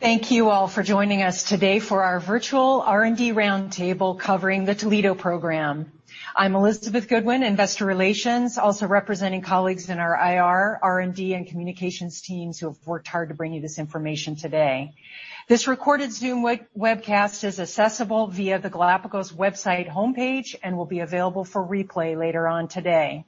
Thank you all for joining us today for our virtual R&D roundtable covering the Toledo program. I'm Elizabeth Goodwin, Investor Relations, also representing colleagues in our IR, R&D, and Communications teams who have worked hard to bring you this information today. This recorded Zoom webcast is accessible via the Galapagos website homepage and will be available for replay later on today.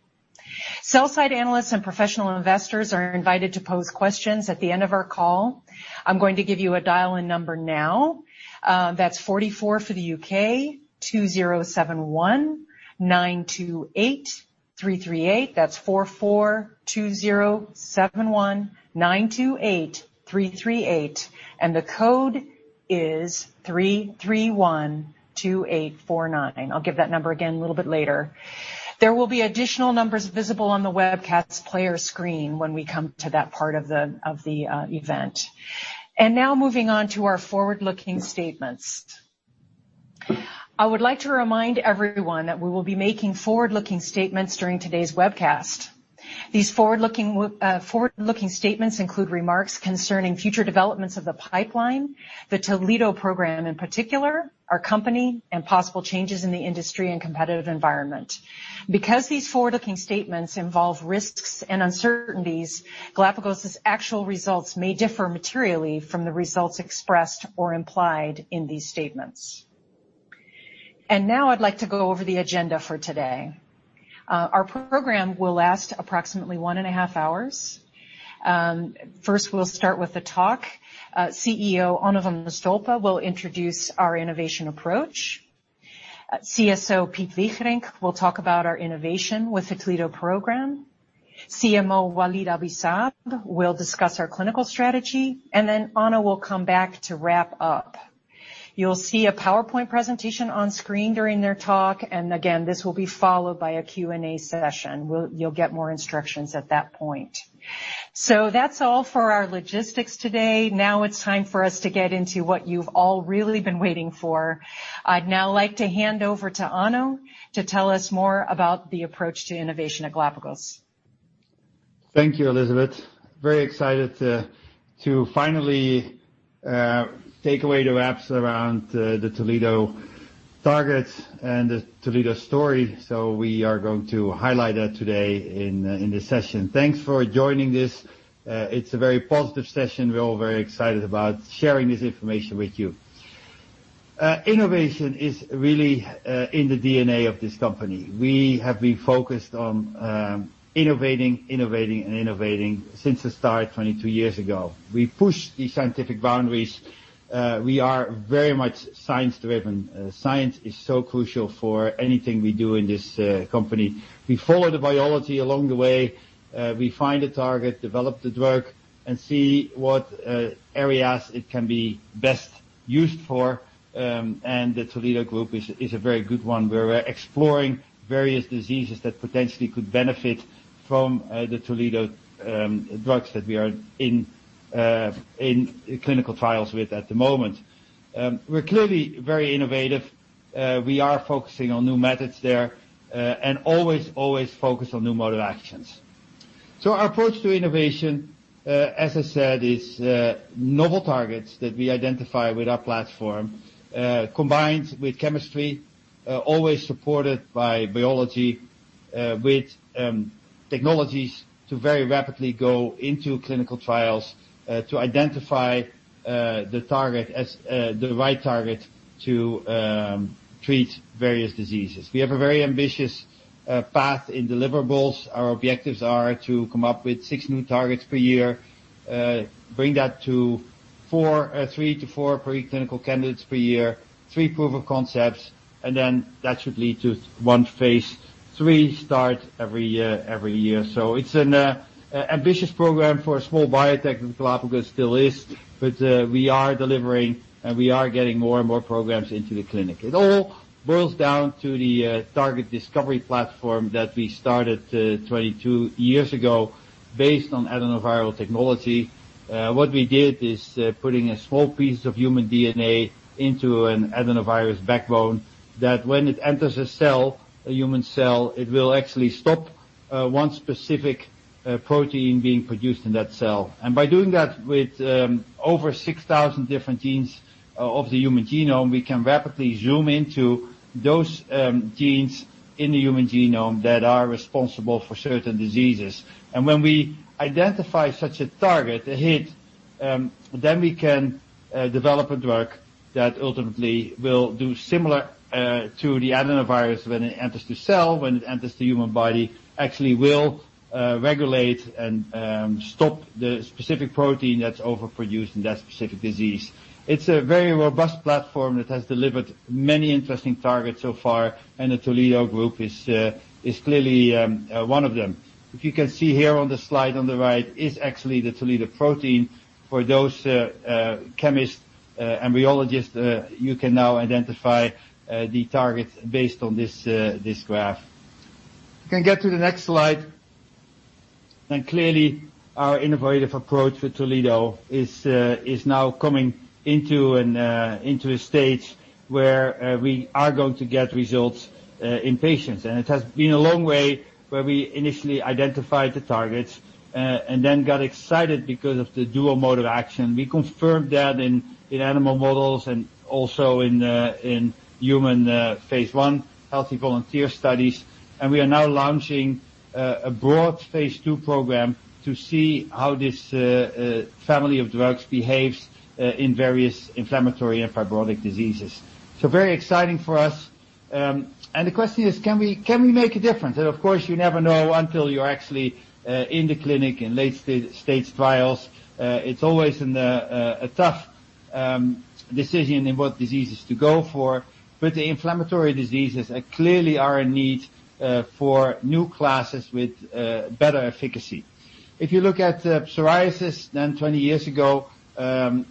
Sell-side analysts and professional investors are invited to pose questions at the end of our call. I'm going to give you a dial-in number now. That's 44 for the U.K., 207-192-8338. That's 442071928338, and the code is 3312849. I'll give that number again a little bit later. There will be additional numbers visible on the webcast player screen when we come to that part of the event. Now moving on to our forward-looking statements. I would like to remind everyone that we will be making forward-looking statements during today's webcast. These forward-looking statements include remarks concerning future developments of the pipeline, the Toledo program in particular, our company, and possible changes in the industry and competitive environment. Because these forward-looking statements involve risks and uncertainties, Galapagos's actual results may differ materially from the results expressed or implied in these statements. Now I'd like to go over the agenda for today. Our program will last approximately 1.5 hours. First, we'll start with a talk. CEO Onno van de Stolpe will introduce our innovation approach. CSO Piet Wigerinck will talk about our innovation with the Toledo program. CMO Walid Abi-Saab will discuss our clinical strategy. Onno will come back to wrap up. You'll see a PowerPoint presentation on screen during their talk. This will be followed by a Q&A session. You'll get more instructions at that point. That's all for our logistics today. Now it's time for us to get into what you've all really been waiting for. I'd now like to hand over to Onno to tell us more about the approach to innovation at Galapagos. Thank you, Elizabeth. Very excited to finally take away the wraps around the Toledo targets and the Toledo story. We are going to highlight that today in this session. Thanks for joining this. It's a very positive session. We're all very excited about sharing this information with you. Innovation is really in the DNA of this company. We have been focused on innovating, and innovating since the start 22 years ago. We pushed the scientific boundaries. We are very much science-driven. Science is so crucial for anything we do in this company. We follow the biology along the way. We find a target, develop the drug, see what areas it can be best used for. The Toledo group is a very good one, where we're exploring various diseases that potentially could benefit from the Toledo drugs that we are in clinical trials with at the moment. We're clearly very innovative. We are focusing on new methods there, always focus on new mode of actions. Our approach to innovation, as I said, is novel targets that we identify with our platform, combined with chemistry, always supported by biology, with technologies to very rapidly go into clinical trials to identify the target as the right target to treat various diseases. We have a very ambitious path in deliverables. Our objectives are to come up with six new targets per year, bring that to three to four preclinical candidates per year, three proof of concepts, that should lead to one phase III start every year. It's an ambitious program for a small biotech, and Galapagos still is, but we are delivering, and we are getting more and more programs into the clinic. It all boils down to the target discovery platform that we started 22 years ago based on adenoviral technology. What we did is putting a small piece of human DNA into an adenovirus backbone that when it enters a cell, a human cell, it will actually stop one specific protein being produced in that cell. By doing that with over 6,000 different genes of the human genome, we can rapidly zoom into those genes in the human genome that are responsible for certain diseases. When we identify such a target, a hit, then we can develop a drug that ultimately will do similar to the adenovirus when it enters the cell, when it enters the human body, actually will regulate and stop the specific protein that's overproduced in that specific disease. It's a very robust platform that has delivered many interesting targets so far, and the Toledo group is clearly one of them. If you can see here on the slide on the right is actually the Toledo protein. For those chemists and biologists, you can now identify the targets based on this graph. You can get to the next slide. Clearly, our innovative approach with Toledo is now coming into a stage where we are going to get results in patients. It has been a long way where we initially identified the targets and then got excited because of the dual mode of action. We confirmed that in animal models and also in human phase I healthy volunteer studies, and we are now launching a broad phase II program to see how this family of drugs behaves in various inflammatory and fibrotic diseases. Very exciting for us. The question is: Can we make a difference? Of course, you never know until you're actually in the clinic in late-stage trials. It's always a tough decision in what diseases to go for, but the inflammatory diseases clearly are in need for new classes with better efficacy. If you look at psoriasis than 20 years ago,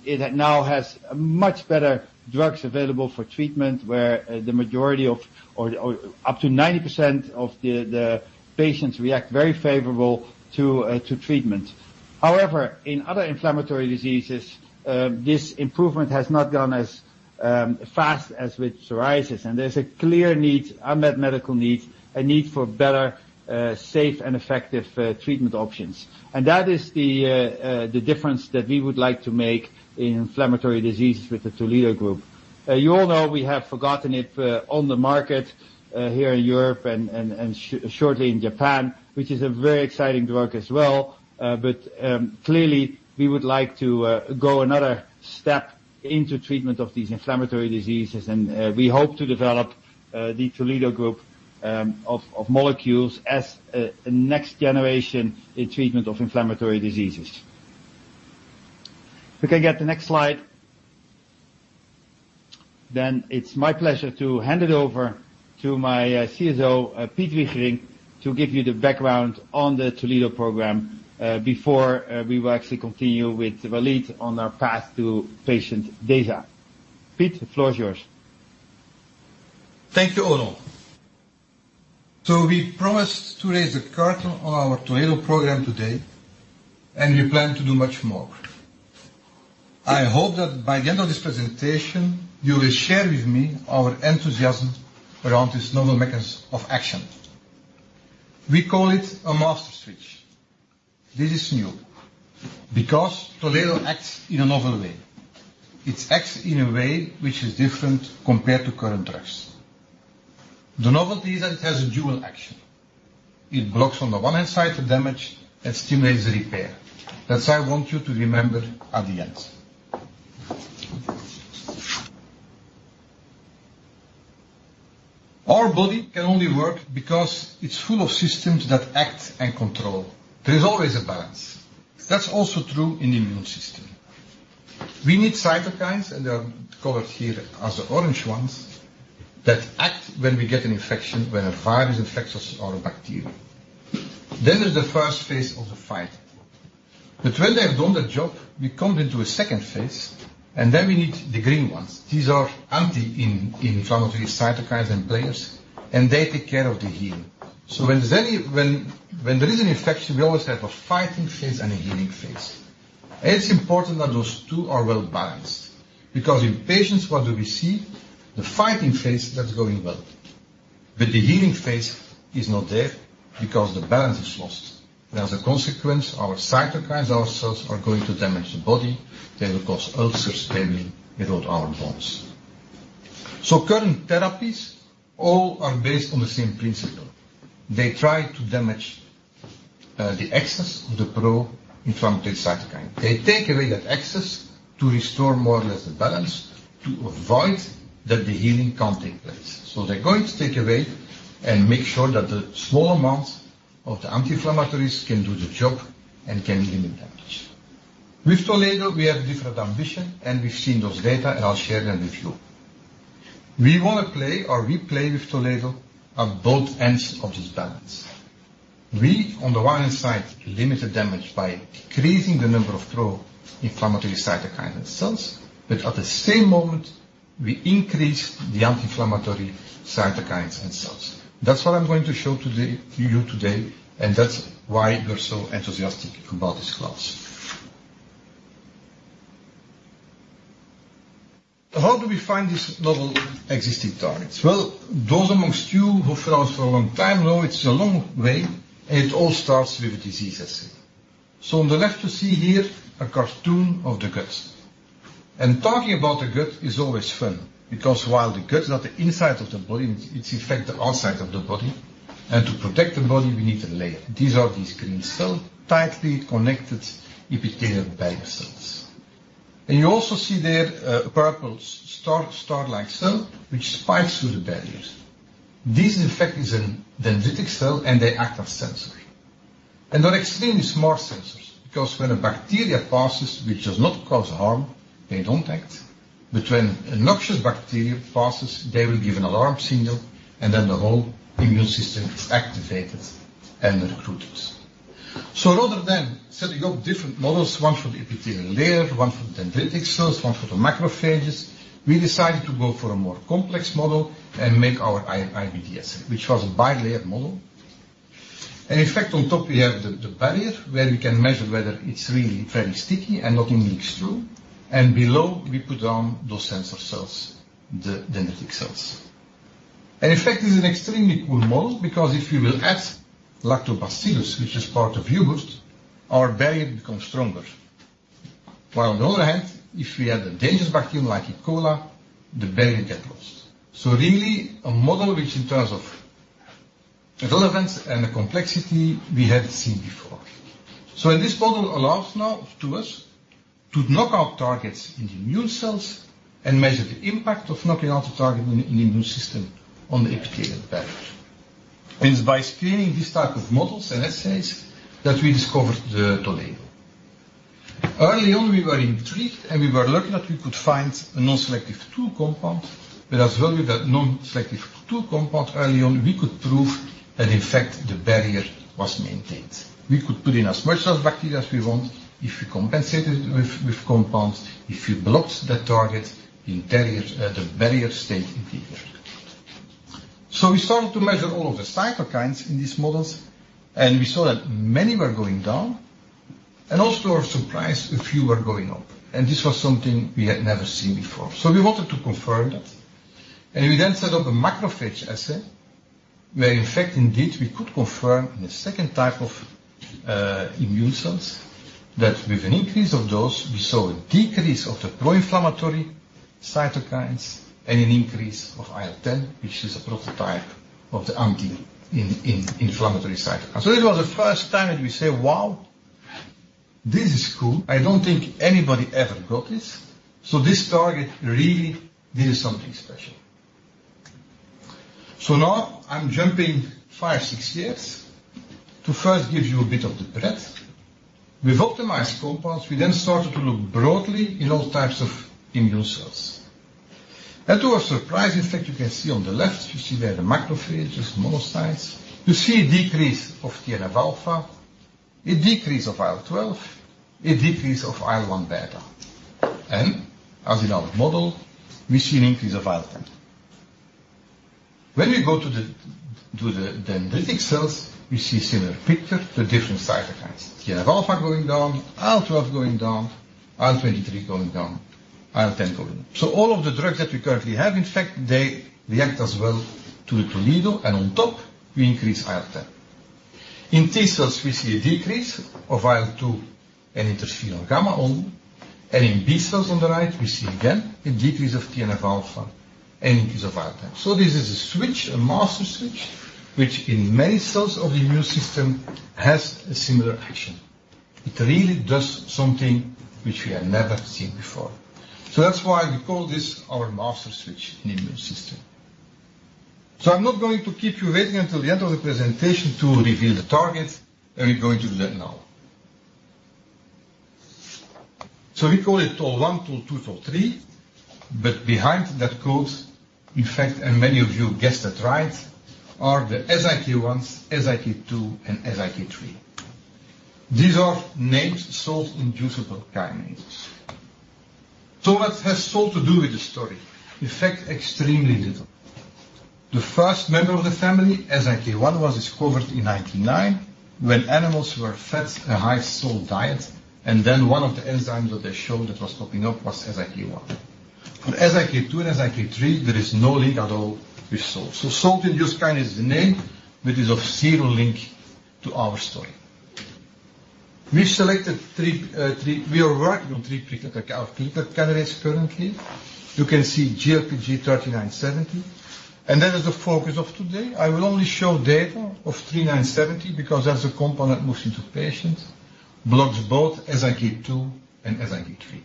it now has much better drugs available for treatment where up to 90% of the patients react very favorably to treatment. However, in other inflammatory diseases, this improvement has not gone as fast as with psoriasis, and there's a clear unmet medical need, a need for better, safe, and effective treatment options. That is the difference that we would like to make in inflammatory diseases with the Toledo group. You all know we have filgotinib on the market here in Europe and shortly in Japan, which is a very exciting drug as well. Clearly, we would like to go another step into treatment of these inflammatory diseases, and we hope to develop the Toledo group of molecules as a next generation in treatment of inflammatory diseases. We can get the next slide. It's my pleasure to hand it over to my CSO, Piet Wigerinck, to give you the background on the Toledo program before we will actually continue with Walid on our path to patient data. Piet, the floor is yours. Thank you, Onno. We promised to raise the curtain on our Toledo program today, and we plan to do much more. I hope that by the end of this presentation, you will share with me our enthusiasm around this novel mechanism of action. We call it a master switch. This is new because Toledo acts in a novel way. It acts in a way which is different compared to current drugs. The novelty is that it has a dual action. It blocks on the one hand, the damage and stimulates the repair. That's what I want you to remember at the end. Our body can only work because it's full of systems that act and control. There is always a balance. That's also true in immune system. We need cytokines, and they are colored here as the orange ones, that act when we get an infection, when a virus infects us or a bacteria. This is the first phase of the fight. When they have done the job, we come into a second phase, and then we need the green ones. These are anti-inflammatory cytokines and players, and they take care of the healing. When there is an infection, we always have a fighting phase and a healing phase. It's important that those two are well-balanced because in patients, what do we see? The fighting phase, that's going well. The healing phase is not there because the balance is lost and as a consequence, our cytokines, our cells are going to damage the body. They will cause ulcers, damage, it will harm bones. Current therapies all are based on the same principle. They try to damage the excess of the pro-inflammatory cytokine. They take away that excess to restore more or less the balance to avoid that the healing can take place. They're going to take away and make sure that the small amounts of the anti-inflammatories can do the job and can limit damage. With Toledo, we have different ambition, and we've seen those data, and I'll share them with you. We want to play or we play with Toledo at both ends of this balance. We, on the one hand side, limit the damage by decreasing the number of pro-inflammatory cytokine and cells, but at the same moment, we increase the anti-inflammatory cytokines and cells. That's what I'm going to show to you today, and that's why we're so enthusiastic about this class. How do we find these novel existing targets? Well, those amongst you who follow us for a long time know it's a long way, and it all starts with a diseases. On the left, you see here a cartoon of the gut. Talking about the gut is always fun because while the gut is not the inside of the body, it's, in fact, the outside of the body, and to protect the body, we need a layer. These are these green cells, tightly connected epithelial barrier cells. You also see there a purple star-like cell, which spikes through the barriers. This, in fact, is a dendritic cell, and they act as sensors. They're extremely smart sensors because when a bacteria passes which does not cause harm, they don't act. When a noxious bacteria passes, they will give an alarm signal, and then the whole immune system is activated and recruited. Rather than setting up different models, one for the epithelial layer, one for the dendritic cells, one for the macrophages, we decided to go for a more complex model and make our iBTS, which was a bilayer model. In fact, on top we have the barrier where we can measure whether it's really very sticky and nothing leaks through, and below we put down those sensor cells, the dendritic cells. In fact, this is an extremely cool model because if you will add Lactobacillus, which is part of yogurt, our barrier becomes stronger. While on the other hand, if we add a dangerous bacterium like E. coli, the barrier get lost. Really a model which in terms of relevance and the complexity we had seen before. This model allows now to us to knock out targets in the immune cells and measure the impact of knocking out the target in the immune system on the epithelial barrier. It is by screening this type of models and assays that we discovered the Toledo. Early on, we were intrigued, and we were lucky that we could find a non-selective tool compound, but as well with that non-selective tool compound early on, we could prove that in fact the barrier was maintained. We could put in as much cells bacteria as we want. If we compensated with compounds, if you blocked that target, the barrier stayed intact. We started to measure all of the cytokines in these models, and we saw that many were going down. Also, our surprise, a few were going up, and this was something we had never seen before. We wanted to confirm that. We then set up a macrophage assay where in fact indeed we could confirm in the second type of immune cells that with an increase of dose, we saw a decrease of the pro-inflammatory cytokines and an increase of IL-10, which is a prototype of the anti-inflammatory cytokines. It was the first time that we say, "Wow, this is cool. I don't think anybody ever got this." This target really, this is something special. Now I'm jumping five, six years to first give you a bit of the breadth. We've optimized compounds. We then started to look broadly in all types of immune cells. To our surprise, in fact, you can see on the left, you see there the macrophages, the monocytes. You see a decrease of TNF-α, a decrease of IL-12, a decrease of IL-1β. As in our model, we see an increase of IL-10. When we go to the dendritic cells, we see a similar picture to different cytokines. TNF-α going down, IL-12 going down, IL-23 going down, IL-10 going up. All of the drugs that we currently have, in fact, they react as well to the Toledo, and on top we increase IL-10. In T-cells, we see a decrease of IL-2 and interferon gamma on, and in B-cells on the right, we see again a decrease of TNF-α and increase of IL-10. This is a switch, a master switch, which in many cells of the immune system has a similar action. It really does something which we had never seen before. That's why we call this our master switch in immune system. I'm not going to keep you waiting until the end of the presentation to reveal the target, and we're going to do that now. We call it TOL1, TOL2, TOL3, but behind that code, in fact, and many of you guessed that right, are the SIK1, SIK2 and SIK3. These are named salt-inducible kinases. What has salt to do with the story? In fact, extremely little. The first member of the family, SIK1, was discovered in 1999 when animals were fed a high salt diet, and then one of the enzymes that they showed that was popping up was SIK1. For SIK2 and SIK3, there is no link at all with salt. Salt-induced kinase is the name, but is of zero link to our story. We are working on three pre-selected candidates currently. You can see GLPG3970. That is the focus of today. I will only show data of 3970 because that's a component moving to patients, blocks both SIK2 and SIK3.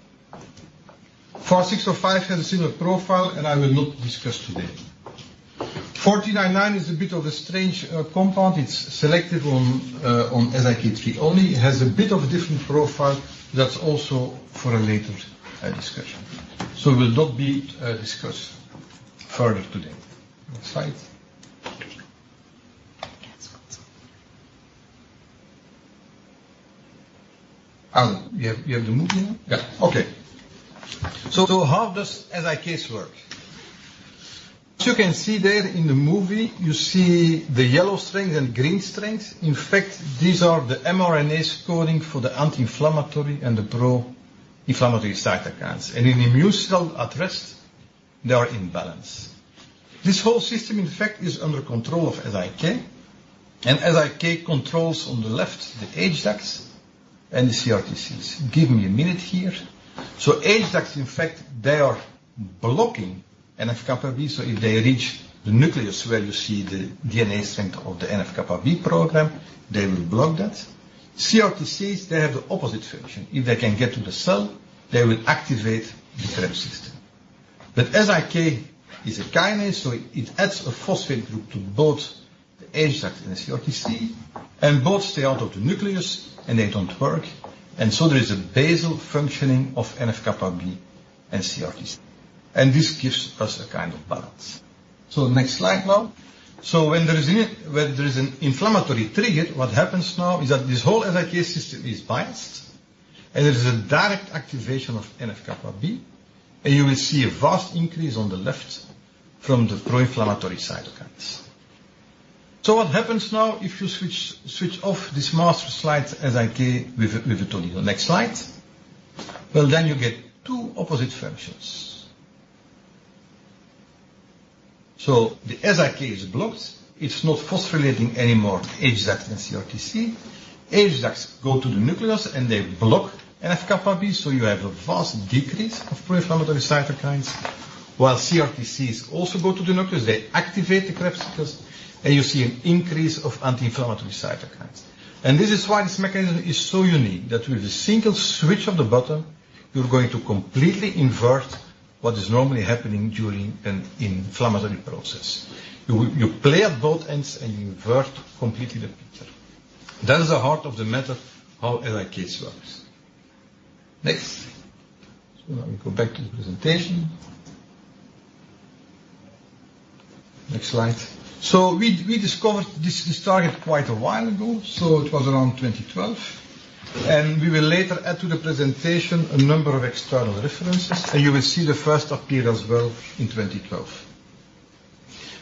GLPG4605 has a similar profile and I will not discuss today. GLPG4999 is a bit of a strange compound. It's selected on SIK3 only. It has a bit of a different profile that's also for a later discussion. Will not be discussed further today. Next slide. Yeah, it's good. Alan, you have the movie now? Yeah. How does SIKs work? As you can see there in the movie, you see the yellow strings and green strings. In fact, these are the mRNAs coding for the anti-inflammatory and the pro-inflammatory cytokines. In immune cell at rest, they are in balance. This whole system, in fact, is under control of SIK, and SIK controls on the left, the HDACs and the CRTCs. Give me a minute here. HDACs, in fact, they are blocking NF-κB, so if they reach the nucleus where you see the DNA strength of the NF-κB program, they will block that. CRTCs, they have the opposite function. If they can get to the cell, they will activate the CREB system. SIK is a kinase, so it adds a phosphate group to both the HDACs and the CRTC. Both stay out of the nucleus, and they don't work. There is a basal functioning of NF-κB and CRTC. This gives us a kind of balance. Next slide now. When there is an inflammatory trigger, what happens now is that this whole SIK system is biased. There is a direct activation of NF-κB, and you will see a vast increase on the left from the pro-inflammatory cytokines. What happens now if you switch off this master switch SIK with Toledo next slide? You get two opposite functions. The SIK is blocked. It's not phosphorylating anymore. HDACs and CRTC. HDACs go to the nucleus and they block NF-κB. You have a vast decrease of pro-inflammatory cytokines, while CRTCs also go to the nucleus. They activate the CREB system, and you see an increase of anti-inflammatory cytokines. This is why this mechanism is so unique, that with a single switch of the button, you're going to completely invert what is normally happening during an inflammatory process. You play at both ends. You invert completely the picture. That is the heart of the matter, how SIK works. Next. Now we go back to the presentation. Next slide. We discovered this target quite a while ago. It was around 2012. We will later add to the presentation a number of external references. You will see the first appear as well in 2012.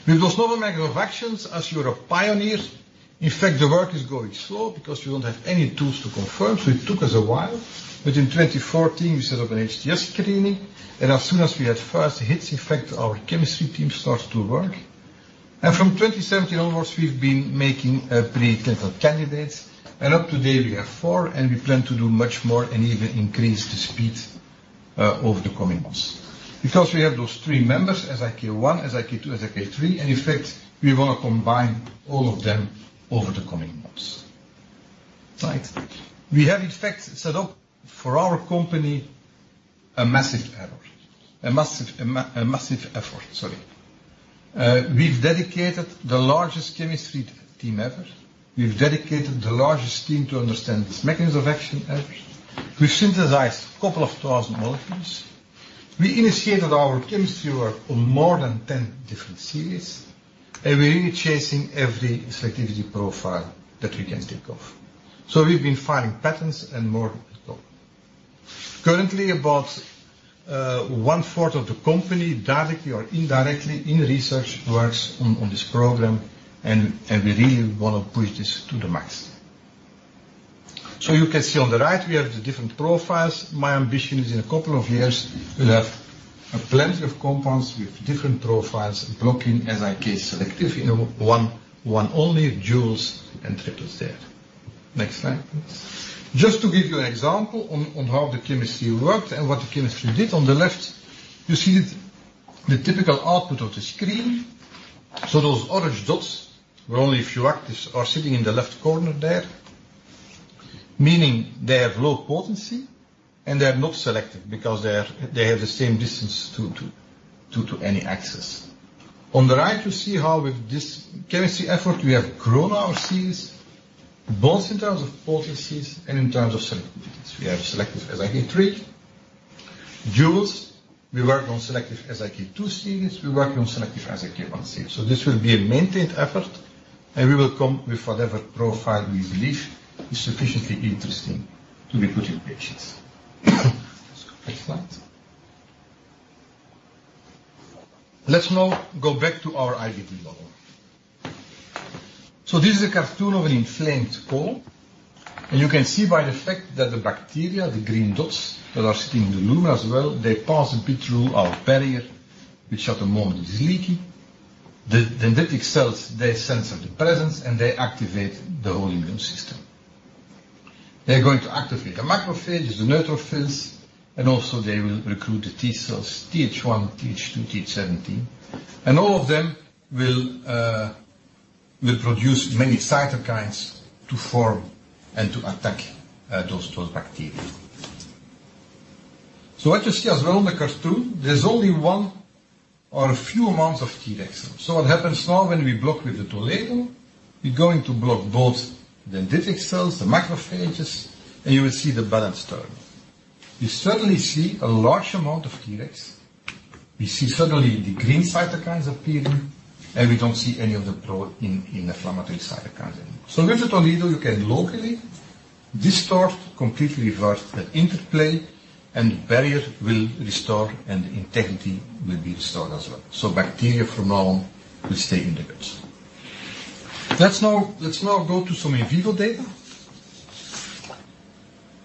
With those novel mechanisms of action as Europe pioneers, in fact, the work is going slow because we don't have any tools to confirm. It took us a while. In 2014, we set up an HTS screening. As soon as we had first hits, in fact, our chemistry team starts to work. From 2017 onwards, we've been making preclinical candidates. Up-to-date we have four. We plan to do much more and even increase the speed over the coming months. We have those three members, SIK1, SIK2, SIK3. In fact, we want to combine all of them over the coming months. Right. We have in fact set up for our company a massive effort. We've dedicated the largest chemistry team ever. We've dedicated the largest team to understand this mechanism of action ever. We've synthesized a couple of thousand molecules. We initiated our chemistry work on more than 10 different series, and we're really chasing every selectivity profile that we can think of. We've been filing patents and more to go. Currently, about one-fourth of the company, directly or indirectly in research, works on this program, and we really want to push this to the max. You can see on the right we have the different profiles. My ambition is, in a couple of years, we'll have plenty of compounds with different profiles blocking SIK selectively, one only, duels, and triples there. Next slide, please. Just to give you an example on how the chemistry worked and what the chemistry did, on the left you see the typical output of the screen. Those orange dots, where only a few actives are sitting in the left corner there, meaning they have low potency and they are not selective because they have the same distance to any axis. On the right, you see how with this chemistry effort, we have grown our series, both in terms of potencies and in terms of selectivities. We have selective SIK3 duals. We work on selective SIK2 series. We work on selective SIK1 series. This will be a maintained effort, and we will come with whatever profile we believe is sufficiently interesting to be put in patients. Next slide. Let's now go back to our IBD model. This is a cartoon of an inflamed colon, and you can see by the fact that the bacteria, the green dots that are sitting in the lumen as well, they pass a bit through our barrier, which at the moment is leaky. The dendritic cells, they sense the presence, and they activate the whole immune system. They're going to activate the macrophages, the neutrophils, and also they will recruit the T-cells, TH1, TH2, TH17, and all of them will produce many cytokines to form and to attack those bacteria. What you see as well on the cartoon, there's only one or a few amounts of T-regs. What happens now when we block with the Toledo, we're going to block both dendritic cells, the macrophages, and you will see the balance turn. You suddenly see a large amount of T-regs. We see suddenly the green cytokines appearing, and we don't see any of the pro-inflammatory cytokines anymore. With the Toledo, you can locally distort, completely reverse that interplay, and the barrier will restore, and integrity will be restored as well. Bacteria from now on will stay in the gut. Let's now go to some in vivo data.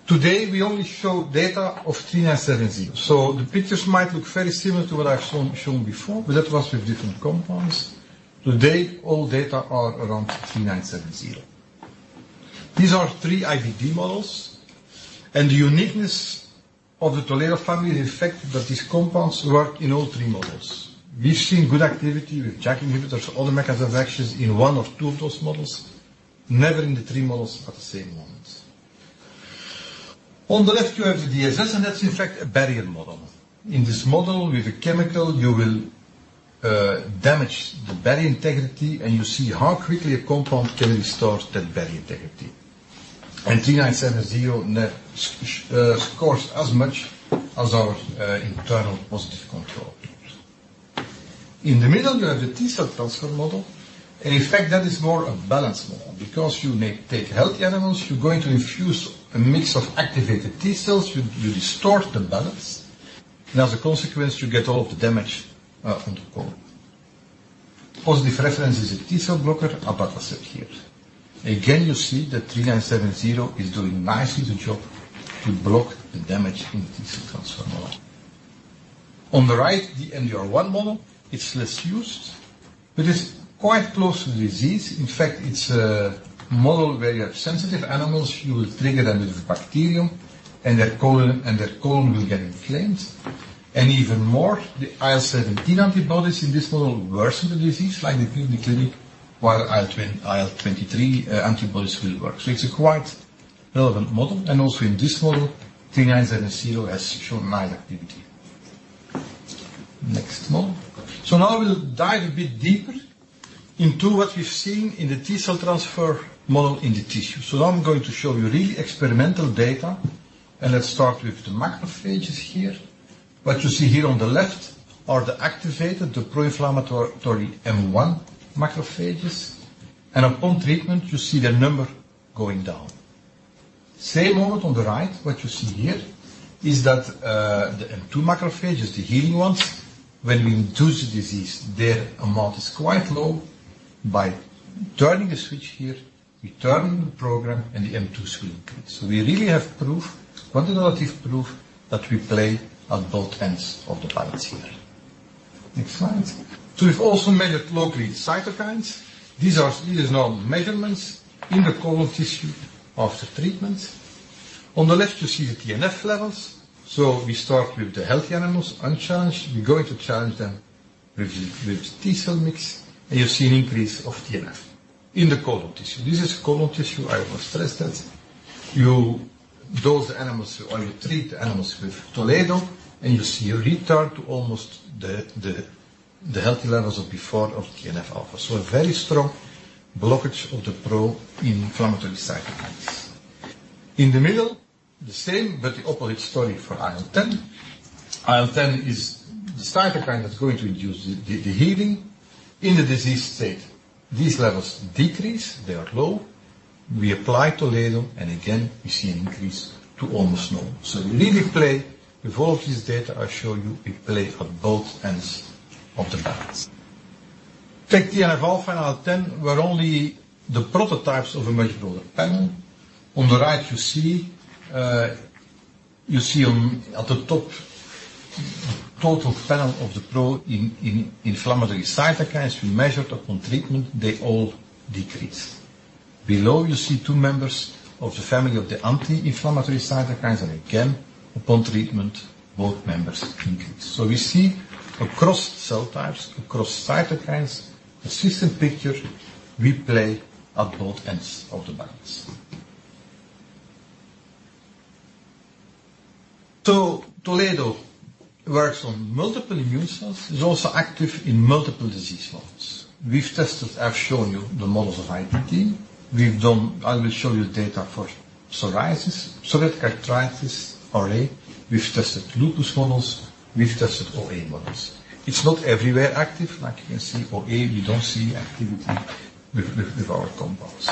Today, we only show data of 3970. The pictures might look very similar to what I've shown before, but that was with different compounds. Today, all data are around 3970. These are three IBD models, and the uniqueness of the Toledo family, in fact, that these compounds work in all three models. We've seen good activity with JAK inhibitors or other mechanisms of actions in one of two of those models. Never in the three models at the same moment. On the left, you have the DSS, and that's in fact a barrier model. In this model, with a chemical, you will damage the barrier integrity, and you see how quickly a compound can restore that barrier integrity. 3970 scores as much as our internal positive control. In the middle, you have the T-cell transfer model, and in fact, that is more a balance model because you may take healthy animals, you're going to infuse a mix of activated T-cells, you distort the balance, and as a consequence, you get all of the damage on the colon. Positive reference is a T-cell blocker, abatacept here. Again, you see that 3970 is doing nicely the job to block the damage in the T-cell transfer model. On the right, the MDR1 model is less used, but it's quite close to the disease. In fact, it's a model where you have sensitive animals. You will trigger them with a bacterium, and their colon will get inflamed. Even more, the IL-17 antibodies in this model worsen the disease like they do in the clinic, while IL-23 antibodies will work. It's a quite relevant model, and also in this model, 3970 has shown mild activity. Next model. Now we'll dive a bit deeper into what we've seen in the T-cell transfer model in the tissue. Now I'm going to show you really experimental data, and let's start with the macrophages here. What you see here on the left are the activated, the pro-inflammatory M1 macrophages, and upon treatment, you see the number going down. Same model on the right, what you see here is the M2 macrophages, the healing ones, when we induce the disease, their amount is quite low. By turning a switch here, we turn the program, and the M2s will increase. We really have quantitative proof that we play at both ends of the balance here. Next slide. We've also measured locally the cytokines. These are now measurements in the colon tissue after treatment. On the left, you see the TNF levels. We start with the healthy animals unchanged. We're going to challenge them with T-cell mix, and you see an increase of TNF in the colon tissue. This is colon tissue. I will stress that. When you treat the animals with Toledo, and you see a return to almost the healthy levels of before of TNF-α. A very strong blockage of the pro-inflammatory cytokines. In the middle, the same, the opposite story for IL-10. IL-10 is the cytokine that's going to induce the healing in the disease state. These levels decrease. They are low. We apply Toledo, again, we see an increase to almost normal. You really play with all of these data I show you, we play at both ends of the balance. Take TNF-α and IL-10 were only the prototypes of a much broader panel. On the right, you see at the top, total panel of the pro-inflammatory cytokines we measured upon treatment, they all decrease. Below, you see two members of the family of the anti-inflammatory cytokines, again, upon treatment, both members increase. We see across cell types, across cytokines, a system picture, we play at both ends of the balance. Toledo works on multiple immune cells, is also active in multiple disease models. We've tested, I've shown you the models of IBD. I will show you data for psoriasis, psoriatic arthritis, RA. We've tested lupus models. We've tested OA models. It's not everywhere active. Like you can see, OA, we don't see activity with our compounds.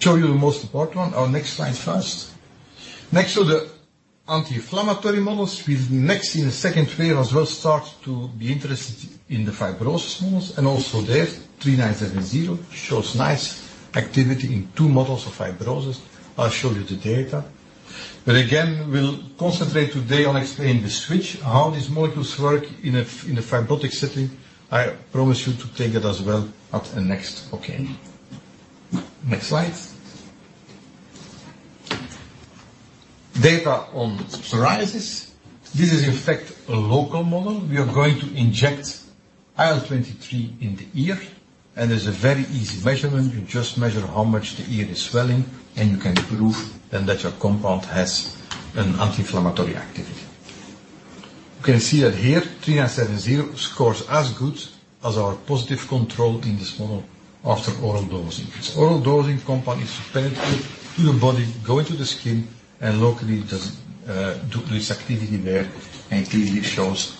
Show you the most important one on next slide first. Next to the anti-inflammatory models, we next in the second phase as well start to be interested in the fibrosis models and also there, 3970 shows nice activity in two models of fibrosis. I'll show you the data. Again, we'll concentrate today on explaining the switch, how these molecules work in a fibrotic setting. I promise you to take it as well at a next occasion. Next slide. Data on psoriasis. This is in fact a local model. We are going to inject IL-23 in the ear, and there's a very easy measurement. You just measure how much the ear is swelling, and you can prove then that your compound has an anti-inflammatory activity. You can see that here, 3970 scores as good as our positive control in this model after oral dosing. It's oral dosing compound is penetrated to your body, go into the skin, and locally does its activity there, and clearly it shows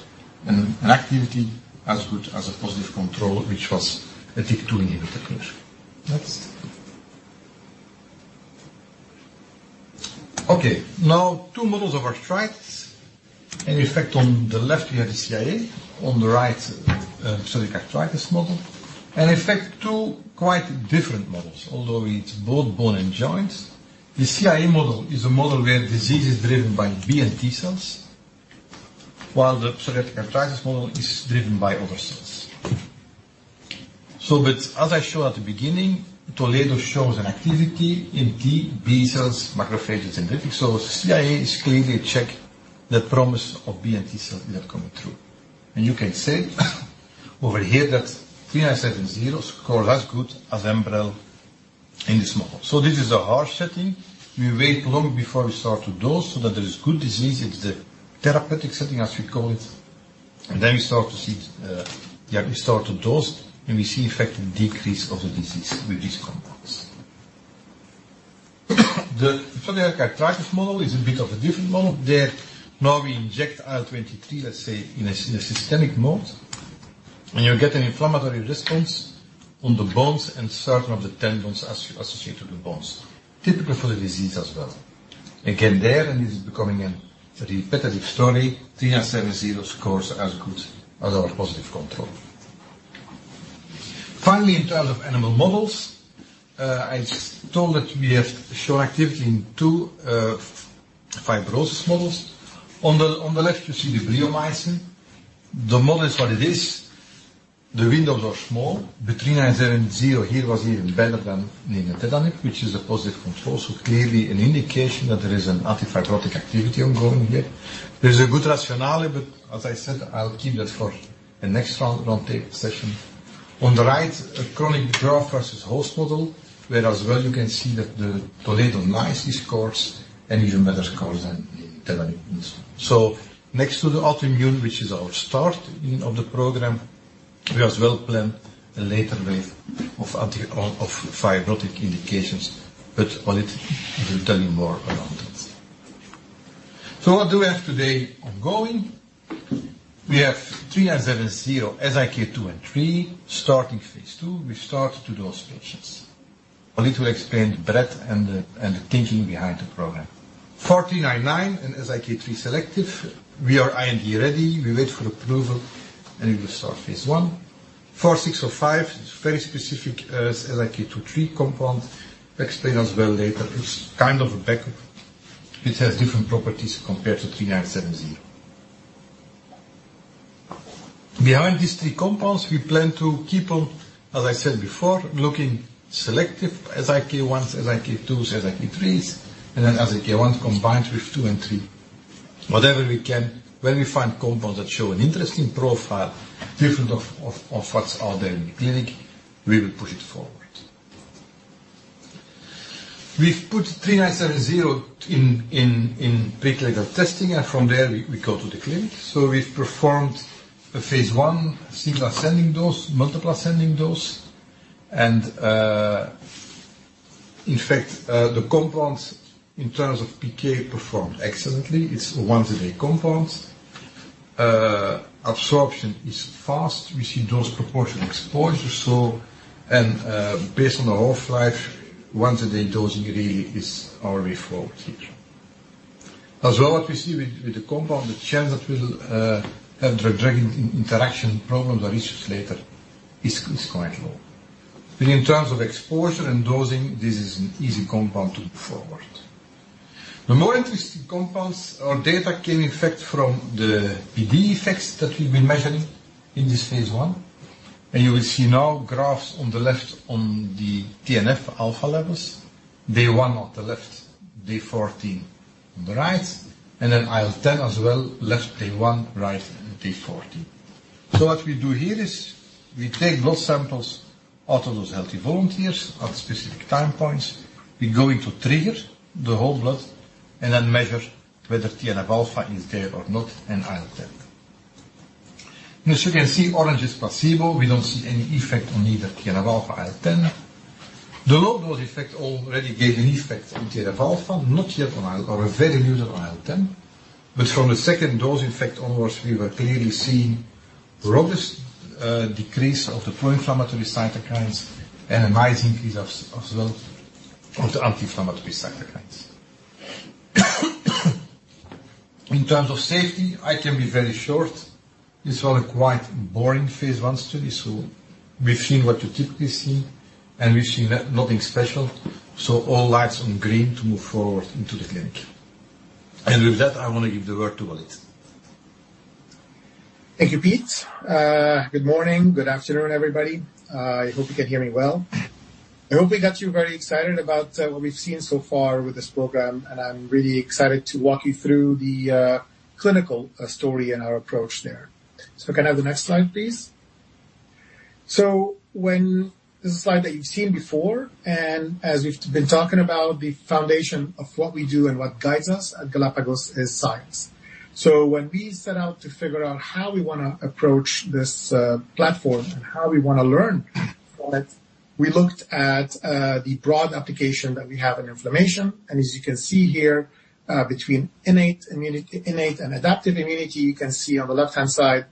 an activity as good as a positive control, which was a JAK2 inhibitor, I think. Next. Okay, now two models of arthritis. In effect, on the left, we have the CIA, on the right, psoriatic arthritis model, and in fact, two quite different models, although it's both bone and joints. The CIA model is a model where disease is driven by B and T-cells, while the psoriatic arthritis model is driven by other cells. As I showed at the beginning, Toledo shows an activity in T, B-cells, macrophages, and dendritic cells. CIA is clearly a check that promise of B and T-cells that are coming through. You can say over here that 3970 score as good as Enbrel in this model. This is a harsh setting. We wait long before we start to dose so that there is good disease. It's a therapeutic setting, as we call it. We start to dose, and we see effective decrease of the disease with these compounds. The psoriatic arthritis model is a bit of a different model. There, now we inject IL-23, let's say, in a systemic mode, and you get an inflammatory response on the bones and certain of the tendons associated with the bones, typical for the disease as well. Again, there, this is becoming a repetitive story, 3970 scores as good as our positive control. Finally, in terms of animal models, I told that we have shown activity in two fibrosis models. On the left, you see the bleomycin. The model is what it is. The windows are small, 3970 here was even better than nintedanib, which is a positive control. Clearly an indication that there is an anti-fibrotic activity ongoing here. There's a good rationale here, as I said, I'll keep that for a next session. On the right, a chronic graft versus host model, where as well you can see that the Toledo mice scores and even better scores than nintedanib. Next to the autoimmune, which is our start of the program, we as well plan a later wave of fibrotic indications, Walid will tell you more around it. What do we have today ongoing? We have GLPG3970, SIK2 and 3, starting phase II. We start to those patients. Walid will explain the breadth and the thinking behind the program. GLPG4999 and SIK3 selective, we are IND ready. We wait for approval, and we will start phase I. GLPG4605 is a very specific SIK2/3 compound. Explain as well later. It's kind of a backup, which has different properties compared to GLPG3970. Behind these three compounds, we plan to keep on, as I said before, looking selective SIK1s, SIK2s, SIK3s, and then SIK1 combined with 2 and 3. Whatever we can, when we find compounds that show an interesting profile, different of what's out there in the clinic, we will push it forward. We've put GLPG3970 in preclinical testing, and from there we go to the clinic. We've performed a phase I single ascending dose, multiple ascending dose, and in fact, the compounds in terms of PK performed excellently. It's a once a day compound. Absorption is fast. We see dose proportional exposure. Based on the half-life, once a day dosing really is our default here. As well what we see with the compound, the chance that we'll have drug interaction problems or issues later is quite low. In terms of exposure and dosing, this is an easy compound to move forward. The more interesting compounds or data came in effect from the PD effects that we've been measuring in this phase I. You will see now graphs on the left on the TNF-α levels, day one on the left, day 14 on the right, and then IL-10 as well left day one, right day 14. What we do here is we take blood samples out of those healthy volunteers at specific time points. We're going to trigger the whole blood and then measure whether TNF-α is there or not in IL-10. As you can see, orange is placebo. We don't see any effect on either TNF-α or IL-10. The low dose effect already gave an effect in TNF-α, not yet or very little on IL-10. From the second dose effect onwards, we will clearly see robust decrease of the pro-inflammatory cytokines and a nice increase as well of the anti-inflammatory cytokines. In terms of safety, I can be very short. It's all a quite boring phase I study, so we've seen what you typically see, and we've seen nothing special. All lights on green to move forward into the clinic. With that, I want to give the word to Walid. Thank you, Piet. Good morning, good afternoon, everybody. I hope you can hear me well. I hope we got you very excited about what we've seen so far with this program, I'm really excited to walk you through the clinical story and our approach there. Can I have the next slide, please? This is a slide that you've seen before, as we've been talking about, the foundation of what we do and what guides us at Galapagos is science. When we set out to figure out how we want to approach this platform and how we want to learn from it, we looked at the broad application that we have in inflammation. As you can see here, between innate immunity, innate and adaptive immunity, you can see on the left-hand side,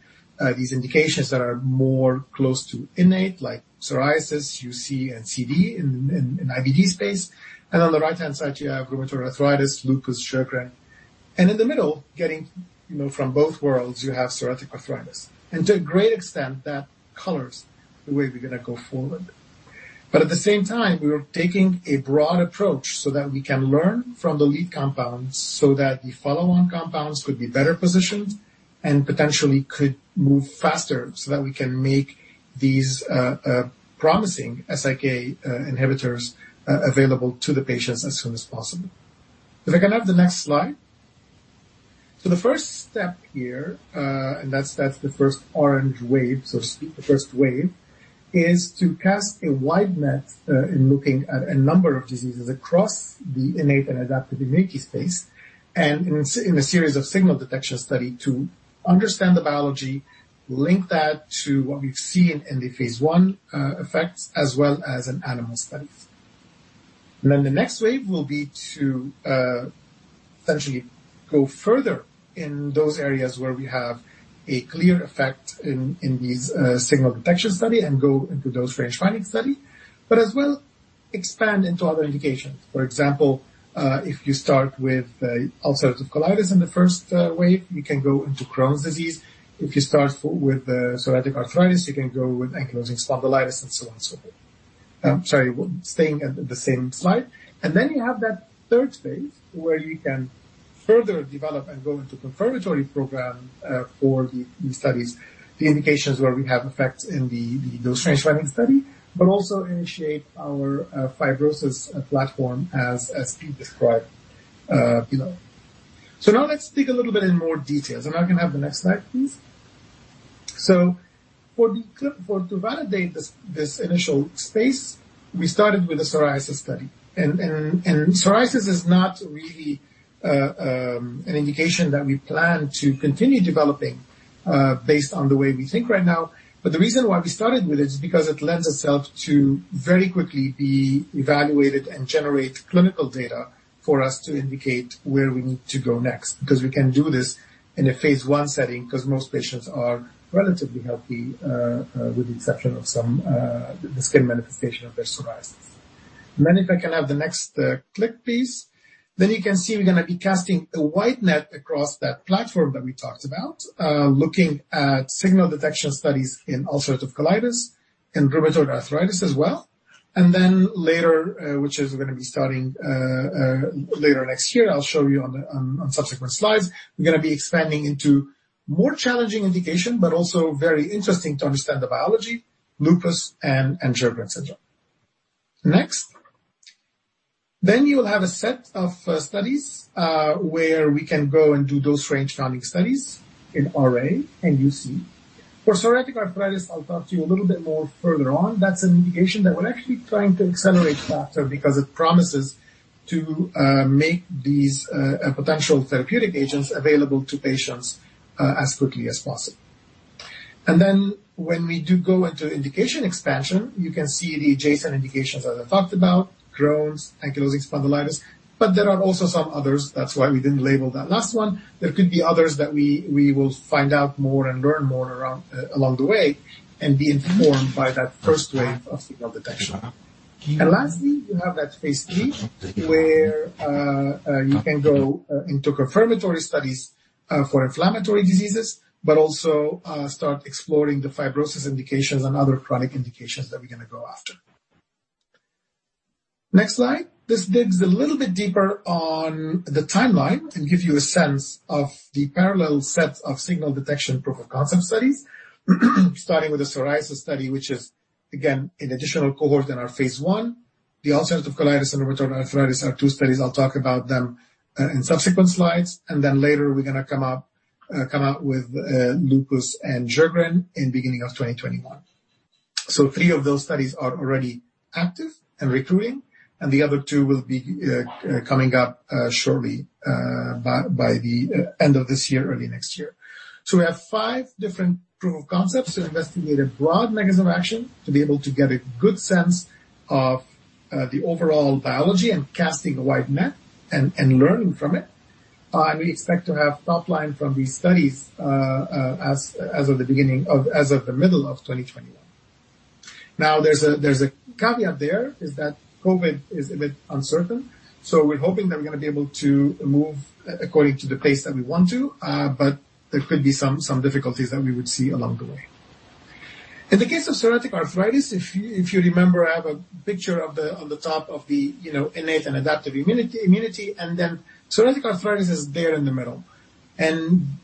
these indications that are more close to innate, like psoriasis, UC, and CD in IBD space. On the right-hand side, you have rheumatoid arthritis, lupus, Sjögren. In the middle, getting from both worlds, you have psoriatic arthritis. To a great extent, that colors the way we're going to go forward. At the same time, we were taking a broad approach so that we can learn from the lead compounds so that the follow-on compounds could be better positioned and potentially could move faster so that we can make these promising SIK inhibitors available to the patients as soon as possible. If I can have the next slide. The first step here, and that's the first orange wave, so to speak, the first wave, is to cast a wide net in looking at a number of diseases across the innate and adaptive immunity space and in a series of signal detection studies to understand the biology, link that to what we've seen in the phase I effects, as well as in animal studies. The next wave will be to essentially go further in those areas where we have a clear effect in these signal detection studies and go into dose range-finding study, but as well expand into other indications. For example, if you start with ulcerative colitis in the first wave, you can go into Crohn's disease. If you start with psoriatic arthritis, you can go with ankylosing spondylitis, and so on and so forth. Sorry, staying at the same slide. Then you have that third phase where you can further develop and go into confirmatory program for the studies, the indications where we have effects in the dose range-finding study, but also initiate our fibrosis platform as Piet described below. Now let's dig a little bit in more details. I can have the next slide, please. To validate this initial space, we started with a psoriasis study. Psoriasis is not really an indication that we plan to continue developing based on the way we think right now. The reason why we started with it is because it lends itself to very quickly be evaluated and generate clinical data for us to indicate where we need to go next. Because we can do this in a phase I setting, because most patients are relatively healthy, with the exception of some, the skin manifestation of their psoriasis. If I can have the next click, please. You can see we're going to be casting a wide net across that platform that we talked about, looking at signal detection studies in ulcerative colitis and rheumatoid arthritis as well. Later, which is going to be starting later next year, I'll show you on subsequent slides, we're going to be expanding into more challenging indication, but also very interesting to understand the biology, lupus and Sjögren's syndrome. Next. You will have a set of studies, where we can go and do dose range-finding studies in RA and UC. For psoriatic arthritis, I'll talk to you a little bit more further on. That's an indication that we're actually trying to accelerate faster because it promises to make these potential therapeutic agents available to patients as quickly as possible. When we do go into indication expansion, you can see the adjacent indications that I talked about, Crohn's, ankylosing spondylitis, but there are also some others. That's why we didn't label that last one. There could be others that we will find out more and learn more along the way and be informed by that first wave of signal detection. Lastly, you have that phase III, where you can go into confirmatory studies for inflammatory diseases, but also start exploring the fibrosis indications and other chronic indications that we're going to go after. Next slide. This digs a little bit deeper on the timeline and gives you a sense of the parallel set of signal detection proof of concept studies, starting with the psoriasis study, which is again, an additional cohort in our phase I. The ulcerative colitis and rheumatoid arthritis are two studies. I'll talk about them in subsequent slides. Later we're going to come out with lupus and Sjögren's in beginning of 2021. Three of those studies are already active and recruiting, and the other two will be coming up shortly by the end of this year, early next year. We have five different proof of concepts to investigate a broad mechanism action to be able to get a good sense of the overall biology and casting a wide net and learning from it. We expect to have top line from these studies as of the middle of 2021. There's a caveat there, is that COVID is a bit uncertain. We're hoping that we're going to be able to move according to the pace that we want to. There could be some difficulties that we would see along the way. In the case of psoriatic arthritis, if you remember, I have a picture on the top of the innate and adaptive immunity, and then psoriatic arthritis is there in the middle.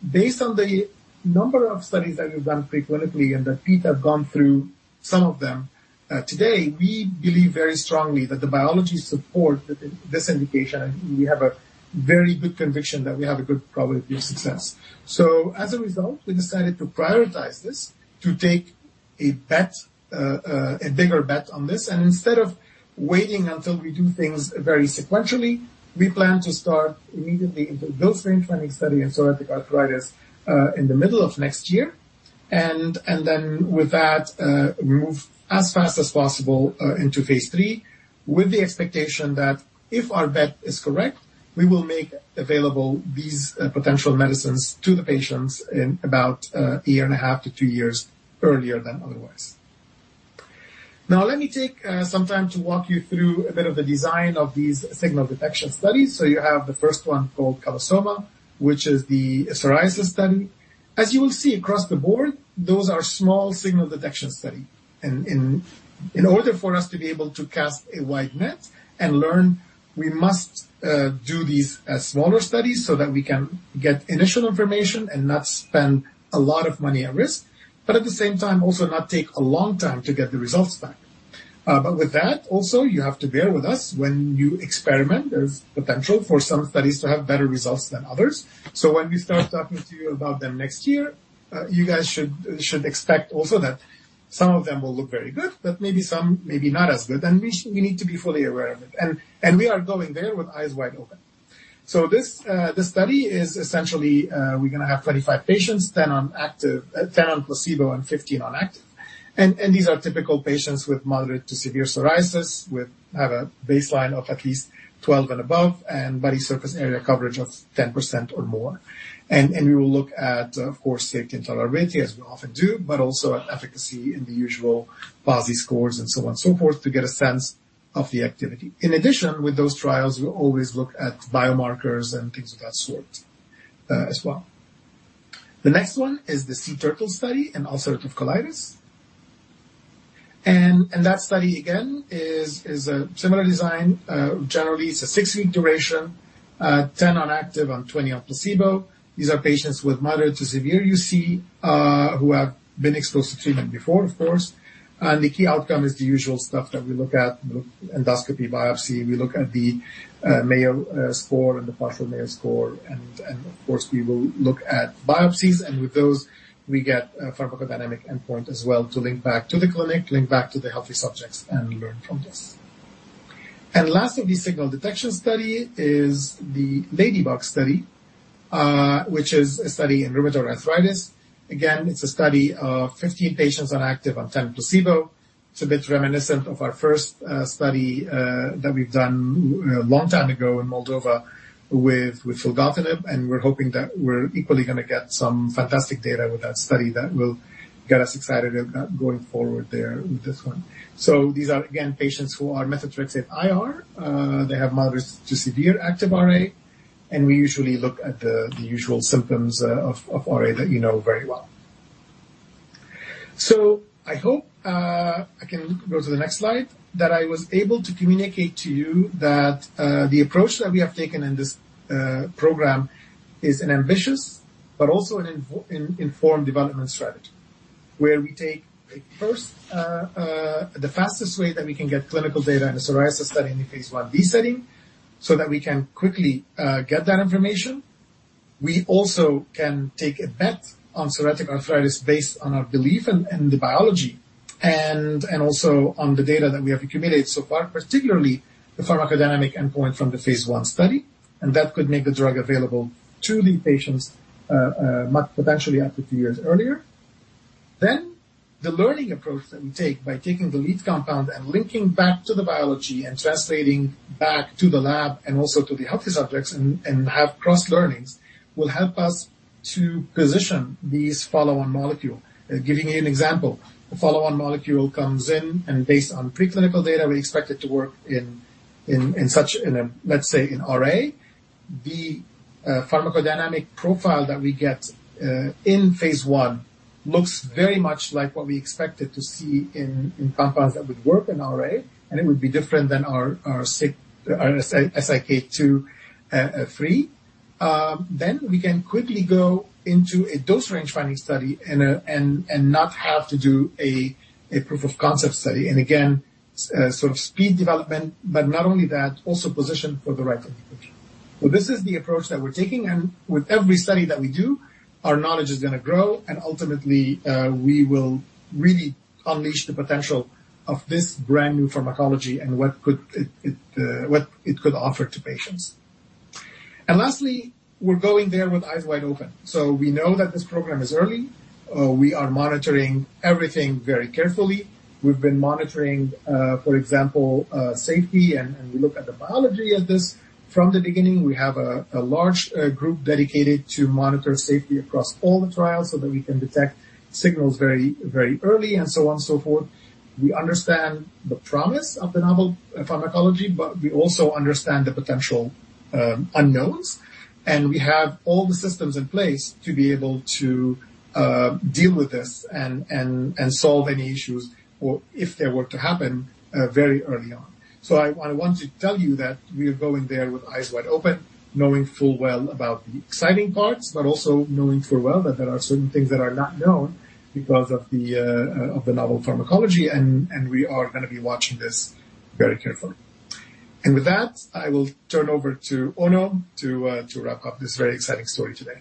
Based on the number of studies that we've done pre-clinically, and that Piet have gone through some of them today, we believe very strongly that the biology support this indication, and we have a very good conviction that we have a good probability of success. As a result, we decided to prioritize this, to take a bet, a bigger bet on this. Instead of waiting until we do things very sequentially, we plan to start immediately into dose range-finding study in psoriatic arthritis in the middle of next year. Then with that, move as fast as possible into phase III with the expectation that if our bet is correct, we will make available these potential medicines to the patients in about a year and a half to two years earlier than otherwise. Now let me take some time to walk you through a bit of the design of these signal detection studies. You have the first one called CALOSOMA, which is the psoriasis study. As you will see across the board, those are small signal detection study. In order for us to be able to cast a wide net and learn, we must do these as smaller studies so that we can get initial information and not spend a lot of money at risk, but at the same time, also not take a long time to get the results back. With that, also, you have to bear with us. When you experiment, there's potential for some studies to have better results than others. When we start talking to you about them next year, you guys should expect also that some of them will look very good, but maybe some maybe not as good. We need to be fully aware of it. We are going there with eyes wide open. This study is essentially, we're going to have 25 patients, 10 on placebo, and 15 on active. These are typical patients with moderate to severe psoriasis, with have a baseline of at least 12 and above, and body surface area coverage of 10% or more. We will look at, of course, safety and tolerability as we often do, but also at efficacy in the usual PASI scores and so on and so forth to get a sense of the activity. In addition, with those trials, we always look at biomarkers and things of that sort as well. The next one is the SEA TURTLE study in ulcerative colitis. That study, again, is a similar design. Generally, it's a six-week duration, 10 on active and 20 on placebo. These are patients with moderate to severe UC, who have been exposed to treatment before, of course. The key outcome is the usual stuff that we look at, the endoscopy, biopsy. We look at the Mayo score and the partial Mayo score. Of course, we will look at biopsies, and with those, we get a pharmacodynamic endpoint as well to link back to the clinic, link back to the healthy subjects, and learn from this. Last of the signal detection study is the LADYBUG study, which is a study in rheumatoid arthritis. Again, it's a study of 15 patients on active and 10 placebo. It's a bit reminiscent of our first study that we've done a long time ago in Moldova with filgotinib, and we're hoping that we're equally going to get some fantastic data with that study that will get us excited about going forward there with this one. These are, again, patients who are methotrexate IR. They have moderate to severe active RA. We usually look at the usual symptoms of RA that you know very well. I hope, I can go to the next slide, that I was able to communicate to you that the approach that we have taken in this program is an ambitious but also an informed development strategy. Where we take first the fastest way that we can get clinical data in a psoriasis study in the phase I-A/B setting so that we can quickly get that information. We also can take a bet on psoriatic arthritis based on our belief in the biology and also on the data that we have accumulated so far, particularly the pharmacodynamic endpoint from the phase I study. That could make the drug available to the patients potentially up to two years earlier. The learning approach that we take by taking the lead compound and linking back to the biology and translating back to the lab and also to the healthy subjects and have cross-learnings, will help us to position these follow-on molecule. Giving you an example. A follow-on molecule comes in, and based on preclinical data, we expect it to work in such, let's say, in RA. The pharmacodynamic profile that we get in phase I looks very much like what we expected to see in compounds that would work in RA, and it would be different than our SIK2/3. We can quickly go into a dose range finding study and not have to do a proof of concept study. Again, sort of speed development, but not only that, also position for the right indication. This is the approach that we're taking. With every study that we do, our knowledge is going to grow, and ultimately, we will really unleash the potential of this brand-new pharmacology and what it could offer to patients. Lastly, we're going there with eyes wide open. We know that this program is early. We are monitoring everything very carefully. We've been monitoring, for example, safety, and we look at the biology of this from the beginning. We have a large group dedicated to monitor safety across all the trials so that we can detect signals very, very early and so on and so forth. We understand the promise of the novel pharmacology, but we also understand the potential unknowns, and we have all the systems in place to be able to deal with this and solve any issues, or if they were to happen, very early on. I want to tell you that we are going there with eyes wide open, knowing full well about the exciting parts, but also knowing full well that there are certain things that are not known because of the novel pharmacology, and we are going to be watching this very carefully. With that, I will turn over to Onno to wrap up this very exciting story today.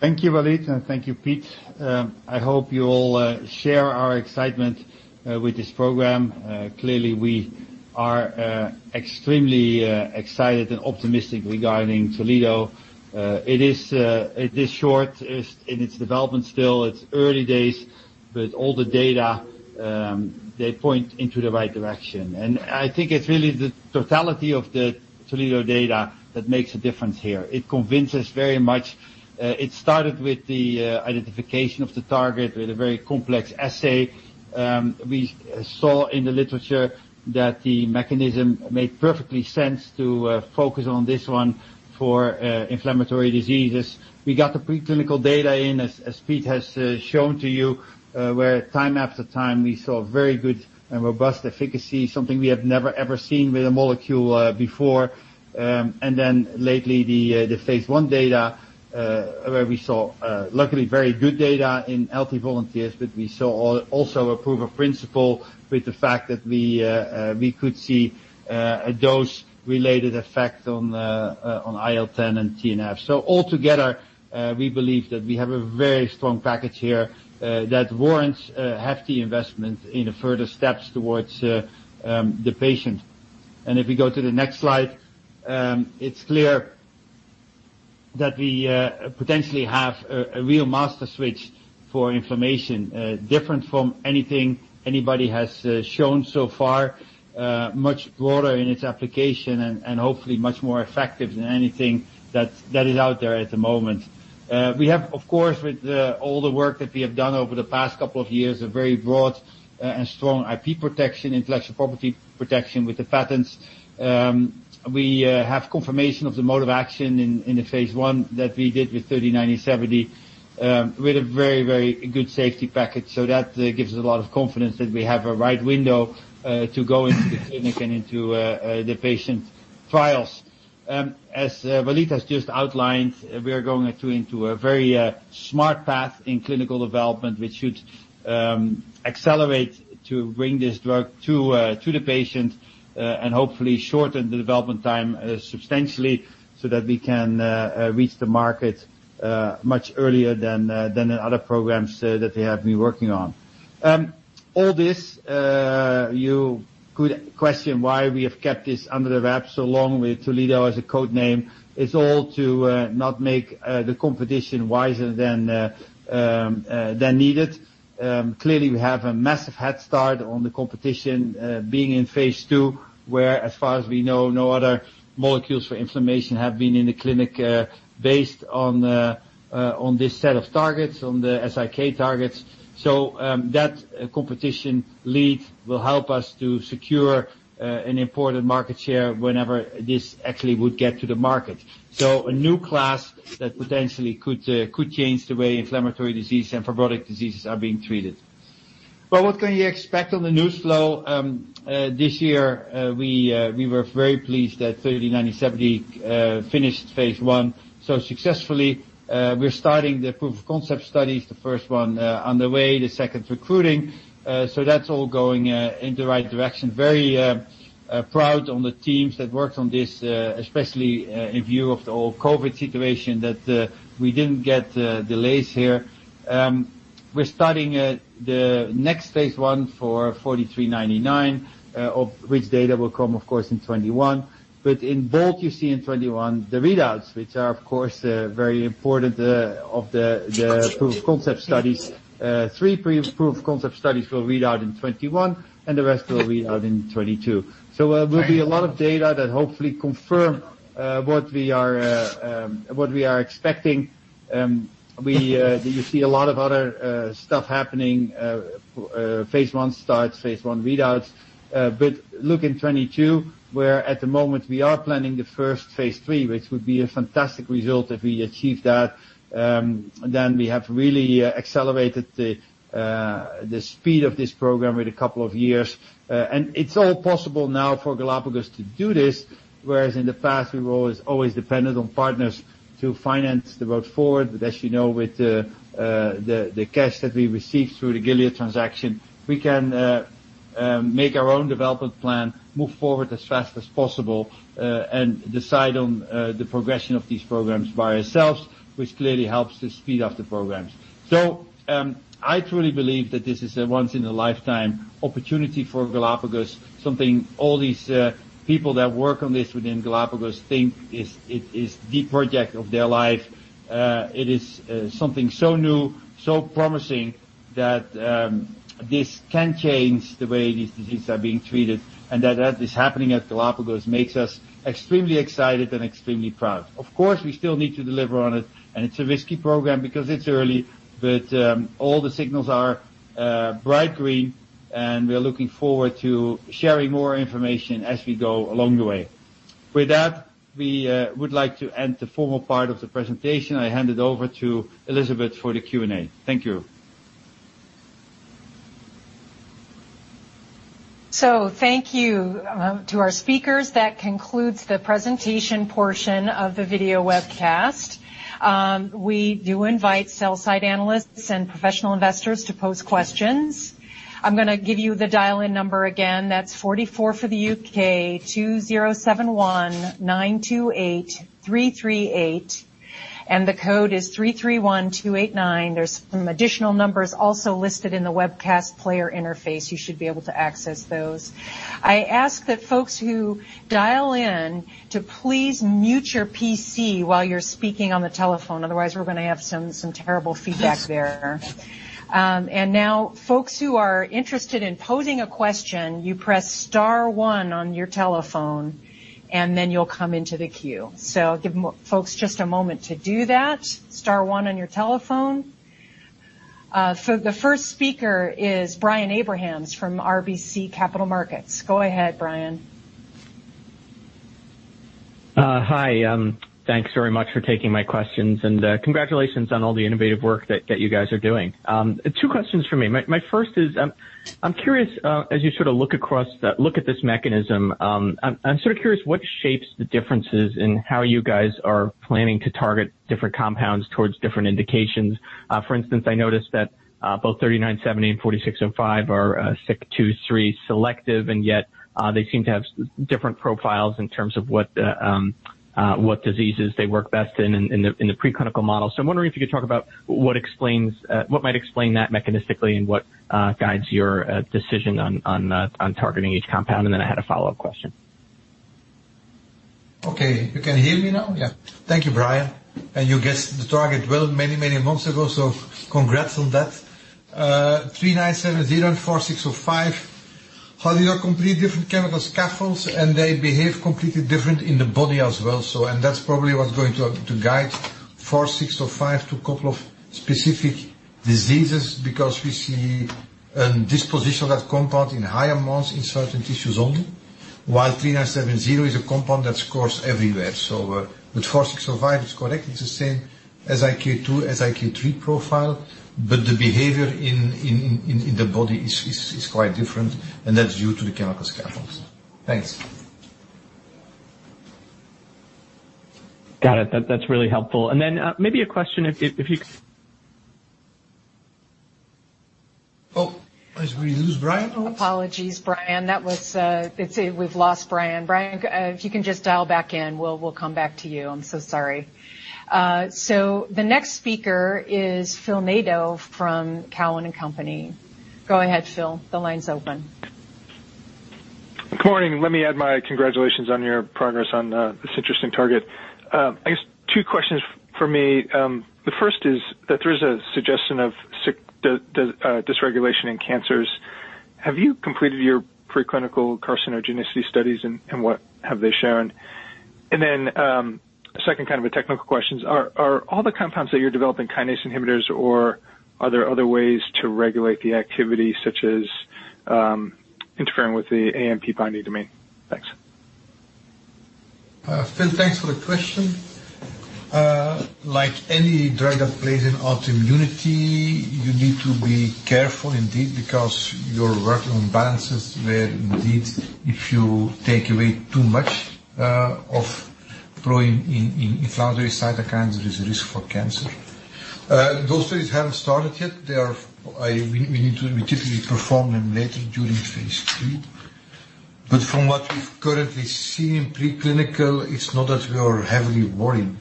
Thank you, Walid, and thank you, Piet. I hope you all share our excitement with this program. Clearly, we are extremely excited and optimistic regarding Toledo. It is short in its development still. It's early days, but all the data, they point into the right direction. I think it's really the totality of the Toledo data that makes a difference here. It convinced us very much. It started with the identification of the target with a very complex assay. We saw in the literature that the mechanism made perfectly sense to focus on this one for inflammatory diseases. We got the preclinical data in, as Piet has shown to you, where time after time we saw very good and robust efficacy, something we have never, ever seen with a molecule before. Lately, the phase I data, where we saw luckily very good data in healthy volunteers, but we saw also a proof of principle with the fact that we could see a dose-related effect on IL-10 and TNF. Altogether, we believe that we have a very strong package here that warrants hefty investment in further steps towards the patient. If we go to the next slide. It's clear that we potentially have a real master switch for inflammation different from anything anybody has shown so far, much broader in its application and hopefully much more effective than anything that is out there at the moment. We have, of course, with all the work that we have done over the past couple of years, a very broad and strong IP protection, intellectual property protection with the patents. We have confirmation of the mode of action in the phase I that we did with GLPG3970 with a very good safety package. That gives us a lot of confidence that we have a right window to go into the clinic and into the patient trials. As Walid has just outlined, we are going into a very smart path in clinical development, which should accelerate to bring this drug to the patient, and hopefully shorten the development time substantially so that we can reach the market much earlier than the other programs that we have been working on. All this, you could question why we have kept this under the wraps so long with Toledo as a code name. It's all to not make the competition wiser than needed. Clearly, we have a massive head start on the competition being in phase II, where as far as we know, no other molecules for inflammation have been in the clinic based on this set of targets, on the SIK targets. That competition lead will help us to secure an important market share whenever this actually would get to the market. A new class that potentially could change the way inflammatory disease and fibrotic diseases are being treated. What can you expect on the news flow? This year, we were very pleased that 3970 finished phase I so successfully. We're starting the proof of concept studies, the first one on the way, the second recruiting. That's all going in the right direction. Very proud on the teams that worked on this, especially in view of the whole COVID situation, that we didn't get delays here. We're starting the next phase I for GLPG4399, of which data will come, of course, in 2021. In bold, you see in 2021 the readouts, which are, of course, very important of the proof-of-concept studies. Three proof-of-concept studies will read out in 2021, and the rest will read out in 2022. Will be a lot of data that hopefully confirm what we are expecting. You see a lot of other stuff happening. Phase I starts, phase I readouts. Look in 2022, where at the moment we are planning the first phase III, which would be a fantastic result if we achieve that. We have really accelerated the speed of this program with a couple of years. It's all possible now for Galapagos to do this, whereas in the past, we were always dependent on partners to finance the road forward. As you know, with the cash that we received through the Gilead transaction, we can make our own development plan, move forward as fast as possible, and decide on the progression of these programs by ourselves, which clearly helps to speed up the programs. I truly believe that this is a once in a lifetime opportunity for Galapagos. Something all these people that work on this within Galapagos think is the project of their life. It is something so new, so promising, that this can change the way these diseases are being treated, and that that is happening at Galapagos makes us extremely excited and extremely proud. Of course, we still need to deliver on it, and it's a risky program because it's early, but all the signals are bright green, and we are looking forward to sharing more information as we go along the way. With that, we would like to end the formal part of the presentation. I hand it over to Elizabeth for the Q&A. Thank you. Thank you to our speakers. That concludes the presentation portion of the video webcast. We do invite sell-side analysts and professional investors to pose questions. I'm going to give you the dial-in number again. That's 44 for the U.K., 2071928338, and the code is 331289. There's some additional numbers also listed in the webcast player interface. You should be able to access those. I ask that folks who dial in to please mute your PC while you're speaking on the telephone. Otherwise, we're going to have some terrible feedback there. Folks who are interested in posing a question, you press star one on your telephone and then you'll come into the queue. Give folks just a moment to do that. Star one on your telephone. The first speaker is Brian Abrahams from RBC Capital Markets. Go ahead, Brian. Hi. Thanks very much for taking my questions and congratulations on all the innovative work that you guys are doing. Two questions from me. My first is, I'm curious, as you sort of look at this mechanism, I'm sort of curious what shapes the differences in how you guys are planning to target different compounds towards different indications. I noticed that both GLPG3970 and GLPG4605 are SIK2/3 selective, yet they seem to have different profiles in terms of what diseases they work best in the preclinical models. I'm wondering if you could talk about what might explain that mechanistically and what guides your decision on targeting each compound. I had a follow-up question. Okay. You can hear me now? Yeah. Thank you, Brian. You guessed the target well many months ago, so congrats on that. 3970 and 4605 are two completely different chemical scaffolds, and they behave completely different in the body as well. That's probably what's going to guide 4605 to a couple of specific diseases, because we see a disposition of that compound in higher amounts in certain tissues only, while 3970 is a compound that scores everywhere. With 4605, it's correct. It's the same SIK2, SIK3 profile. The behavior in the body is quite different. That's due to the chemical scaffolds. Thanks. Got it. That is really helpful. Then maybe a question if you. Oh, did we lose Brian? Apologies, Brian. We've lost Brian. Brian, if you can just dial back in, we'll come back to you. I'm so sorry. The next speaker is Phil Nadeau from Cowen and Company. Go ahead, Phil. The line's open. Good morning. Let me add my congratulations on your progress on this interesting target. I guess two questions from me. The first is that there's a suggestion of dysregulation in cancers. Have you completed your preclinical carcinogenicity studies, and what have they shown? Second kind of a technical question. Are all the compounds that you're developing kinase inhibitors, or are there other ways to regulate the activity, such as interfering with the AMP binding domain? Thanks. Phil, thanks for the question. Like any drug that plays in autoimmunity, you need to be careful indeed, because you're working on balances where indeed, if you take away too much of pro-inflammatory cytokines, there is a risk for cancer. Those studies haven't started yet. We typically perform them later during phase III. From what we've currently seen in preclinical, it's not that we are heavily worried.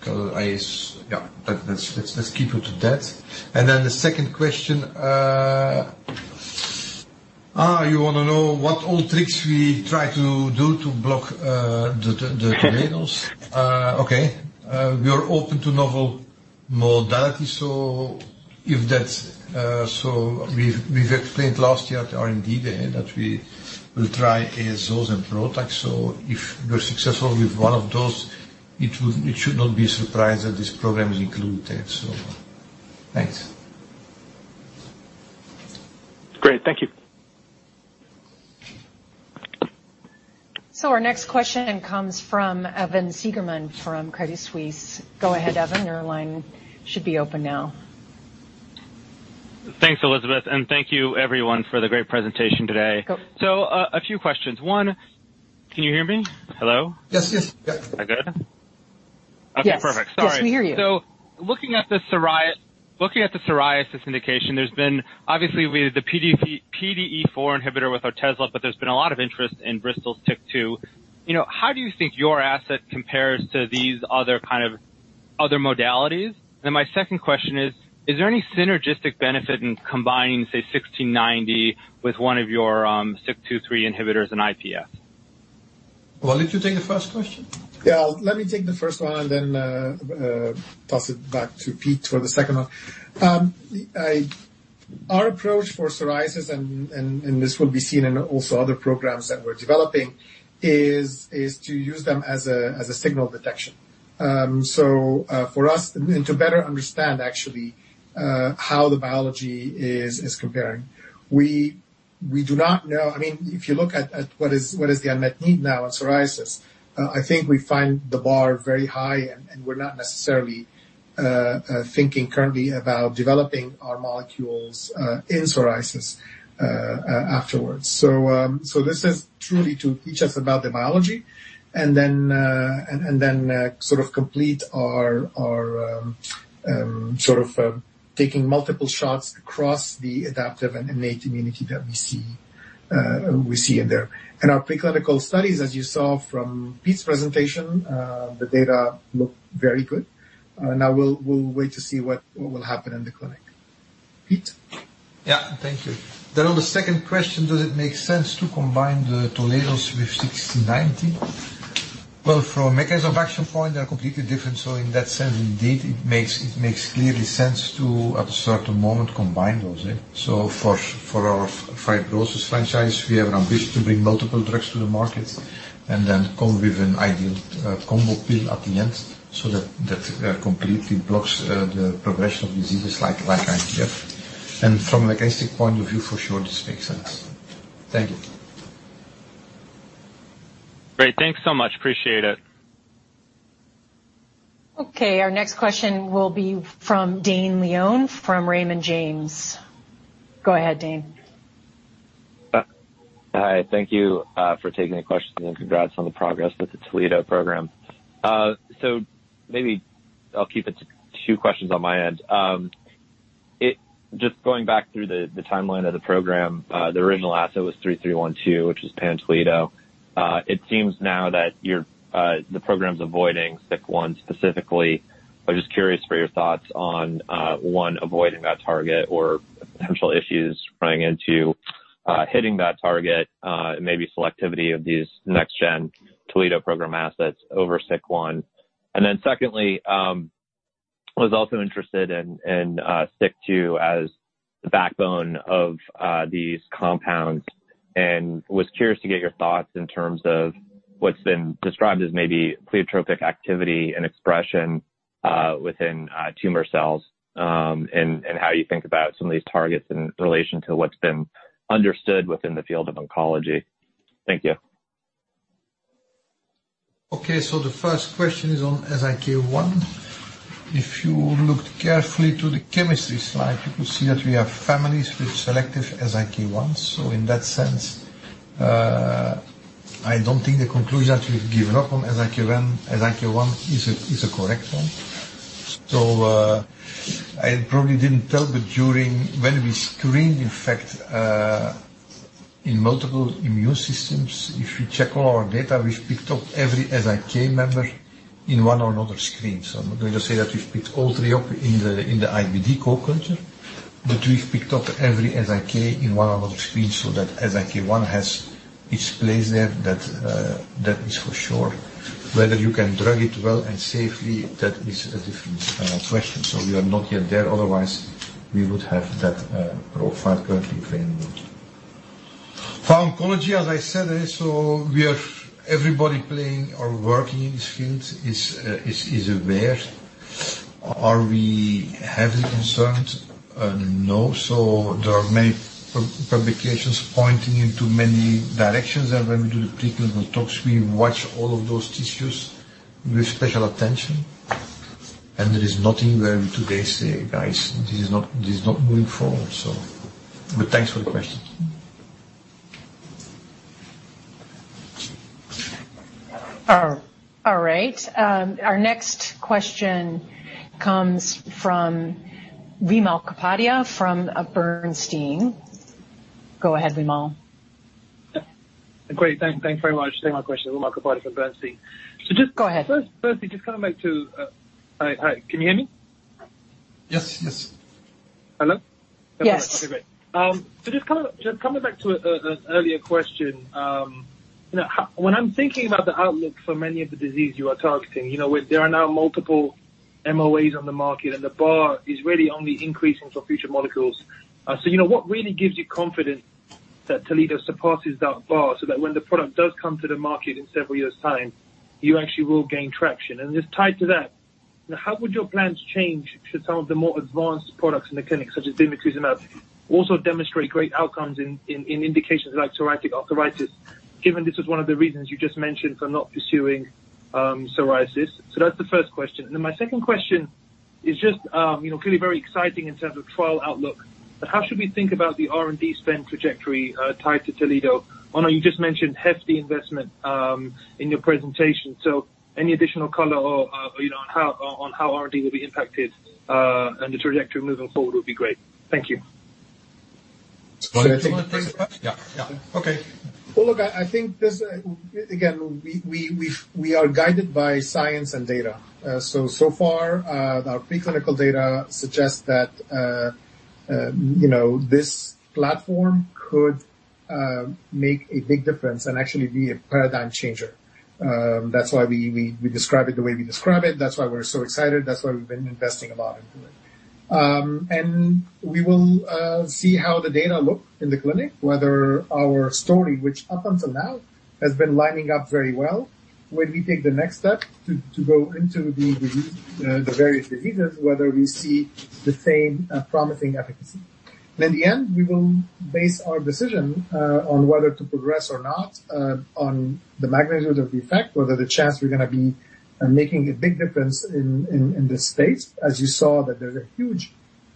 Yeah, let's keep it to that. The second question, you want to know what all tricks we try to do to block the Toledos? Okay. We are open to novel modalities. We've explained last year at R&D Day that we will try ASOs and PROTACs. If we're successful with one of those, it should not be a surprise that this program is included. Thanks. Great. Thank you. Our next question comes from Evan Seigerman from Credit Suisse. Go ahead, Evan. Your line should be open now. Thanks, Elizabeth, and thank you everyone for the great presentation today. Go. A few questions. One, can you hear me? Hello? Yes. Is that good? Yes. Okay, perfect. Sorry. Yes, we hear you. Looking at the psoriasis indication, there's been obviously with the PDE4 inhibitor with Otezla, but there's been a lot of interest in Bristol's TYK2. How do you think your asset compares to these other modalities? My second question is there any synergistic benefit in combining, say, 1690 with one of your SIK2/3 inhibitors in IPF? Walid, you take the first question? Yeah, let me take the first one and then toss it back to Piet for the second one. Our approach for psoriasis, and this will be seen in also other programs that we're developing, is to use them as a signal detection for us, and to better understand actually how the biology is comparing. We do not know. If you look at what is the unmet need now in psoriasis, I think we find the bar very high, and we're not necessarily thinking currently about developing our molecules in psoriasis afterwards. This is truly to teach us about the biology and then sort of complete our sort of taking multiple shots across the adaptive and innate immunity that we see in there. In our preclinical studies, as you saw from Piet's presentation, the data look very good. Now we'll wait to see what will happen in the clinic. Piet? Yeah. Thank you. On the second question, does it make sense to combine the Toledos with 1690? Well, from a MOA point, they're completely different. In that sense, indeed, it makes clear sense to, at a certain moment, combine those. For our fibrosis franchise, we have an ambition to bring multiple drugs to the market and then come with an ideal combo pill at the end so that completely blocks the progression of diseases like IPF. From a mechanistic point of view, for sure, this makes sense. Thank you. Great. Thanks so much. Appreciate it. Okay. Our next question will be from Dane Leone from Raymond James. Go ahead, Dane. Hi. Thank you for taking the questions, congrats on the progress with the Toledo program. Maybe I'll keep it to two questions on my end. Just going back through the timeline of the program, the original asset was GLPG3312, which was pan-SIK. It seems now that the program's avoiding SIK1 specifically. I'm just curious for your thoughts on, one, avoiding that target or potential issues running into hitting that target, maybe selectivity of these next-gen Toledo program assets over SIK1. Secondly, I was also interested in SIK2 as the backbone of these compounds and was curious to get your thoughts in terms of what's been described as maybe pleiotropic activity and expression within tumor cells, and how you think about some of these targets in relation to what's been understood within the field of oncology. Thank you. The first question is on SIK1. If you looked carefully to the chemistry slide, you could see that we have families with selective SIK1. In that sense, I don't think the conclusion that we've given up on SIK1 is a correct one. I probably didn't tell, but when we screened, in fact, in multiple immune systems, if you check all our data, we've picked up every SIK member in one or another screen. I'm not going to say that we've picked all three up in the IBD co-culture, but we've picked up every SIK1 in one or another screen so that SIK1 has its place there, that is for sure. Whether you can drug it well and safely, that is a different question. We are not yet there, otherwise we would have that profile currently available. For oncology, as I said, everybody playing or working in this field is aware. Are we heavily concerned? No. There are many publications pointing into many directions, and when we do the preclinical talks, we watch all of those tissues with special attention. There is nothing where we today say, "Guys, this is not moving forward." Thanks for the question. All right. Our next question comes from Wimal Kapadia from Bernstein. Go ahead, Wimal. Great. Thanks very much. Wimal Kapadia from Bernstein. Go ahead. Just firstly, coming back to Hi, can you hear me? Yes. Hello? Yes. Okay, great. Just coming back to an earlier question. When I'm thinking about the outlook for many of the diseases you are targeting, there are now multiple MOAs on the market, and the bar is really only increasing for future molecules. What really gives you confidence that Toledo surpasses that bar so that when the product does come to the market in several years' time, you actually will gain traction? Just tied to that, how would your plans change should some of the more advanced products in the clinic, such as bimekizumab, also demonstrate great outcomes in indications like psoriatic arthritis, given this was one of the reasons you just mentioned for not pursuing psoriasis? That's the first question. My second question is just clearly very exciting in terms of trial outlook, but how should we think about the R&D spend trajectory tied to Toledo? Onno, you just mentioned hefty investment in your presentation. Any additional color on how R&D will be impacted and the trajectory moving forward would be great. Thank you. Should I take the first? Yeah. We are guided by science and data. So far, our preclinical data suggests that this platform could make a big difference and actually be a paradigm changer. That's why we describe it the way we describe it. That's why we're so excited. That's why we've been investing a lot into it. We will see how the data look in the clinic, whether our story, which up until now, has been lining up very well when we take the next step to go into the various diseases, whether we see the same promising efficacy. In the end, we will base our decision on whether to progress or not on the magnitude of the effect, whether the chance we're going to be making a big difference in this space. As you saw, there's a huge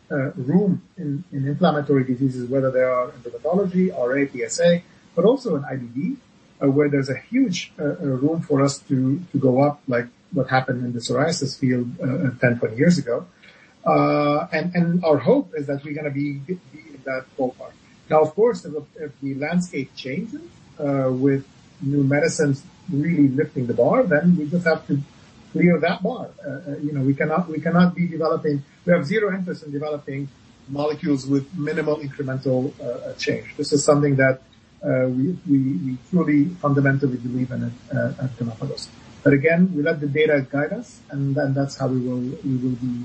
room in inflammatory diseases, whether they are in dermatology or PsA, but also in IBD, where there's a huge room for us to go up, like what happened in the psoriasis field 10, 20 years ago. Our hope is that we're going to be that profile. Now, of course, if the landscape changes with new medicines really lifting the bar, we just have to clear that bar. We have zero interest in developing molecules with minimal incremental change. This is something that we truly, fundamentally believe in at Galapagos. Again, we let the data guide us, that's how we will be.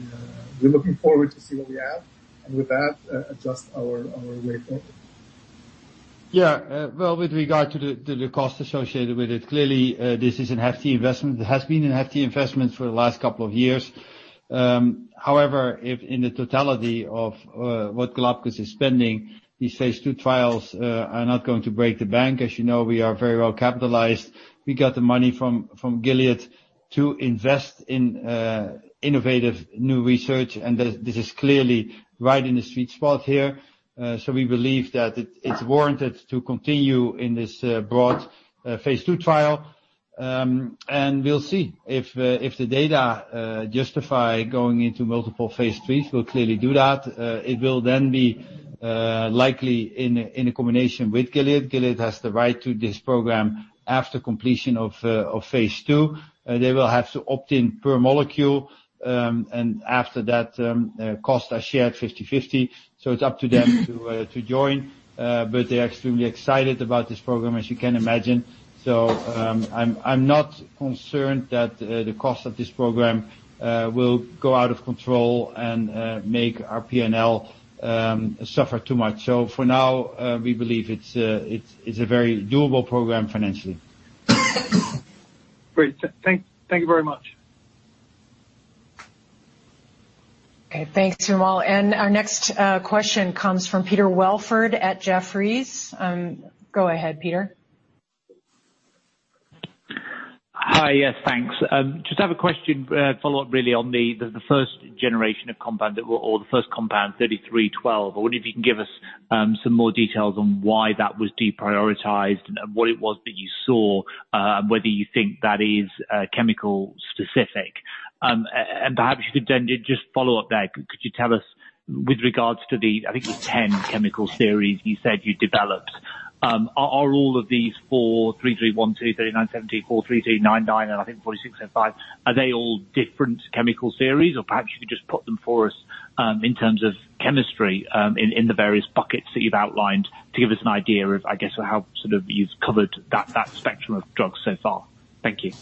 We're looking forward to see what we have, with that, adjust our way forward. Well, with regard to the cost associated with it, clearly, this is a hefty investment. It has been a hefty investment for the last couple of years. However, if in the totality of what Galapagos is spending, these phase II trials are not going to break the bank. As you know, we are very well capitalized. We got the money from Gilead to invest in innovative new research, and this is clearly right in the sweet spot here. We believe that it's warranted to continue in this broad phase II trial. We'll see. If the data justify going into multiple phase IIIs, we'll clearly do that. It will be likely in a combination with Gilead. Gilead has the right to this program after completion of phase II. They will have to opt in per molecule, and after that, costs are shared 50/50. It's up to them to join. They're extremely excited about this program, as you can imagine. I'm not concerned that the cost of this program will go out of control and make our P&L suffer too much. For now, we believe it's a very doable program financially. Great. Thank you very much. Okay. Thanks, Wimal. Our next question comes from Pietr Welford at Jefferies. Go ahead, Pietr. Hi. Yes, thanks. Have a question, follow-up really on the first generation of compound or the first compound, GLPG3312. I wonder if you can give us some more details on why that was deprioritized and what it was that you saw, whether you think that is chemical specific. Perhaps you could then just follow up there. Could you tell us with regards to the, I think the 10 chemical series you said you developed. Are all of these four, GLPG3312, 3970, GLPG4399 and I think 4605, are they all different chemical series? Perhaps you could just put them for us in terms of chemistry in the various buckets that you've outlined to give us an idea of, I guess, how sort of you've covered that spectrum of drugs so far. Thank you.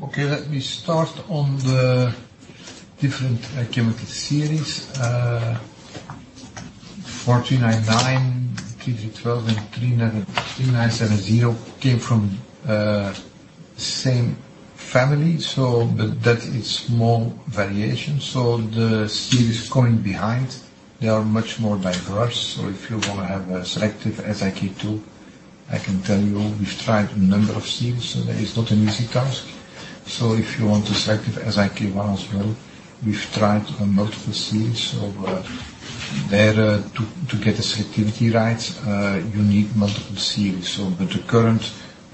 Okay, let me start on the different chemical series. 4399, GLPG3312 and 3970 came from same family. That is small variation. The series coming behind, they are much more diverse. If you want to have a selective SIK2, I can tell you we've tried a number of series, so that is not an easy task. If you want a selective SIK1 as well, we've tried multiple series. There to get the selectivity right you need multiple series. The current,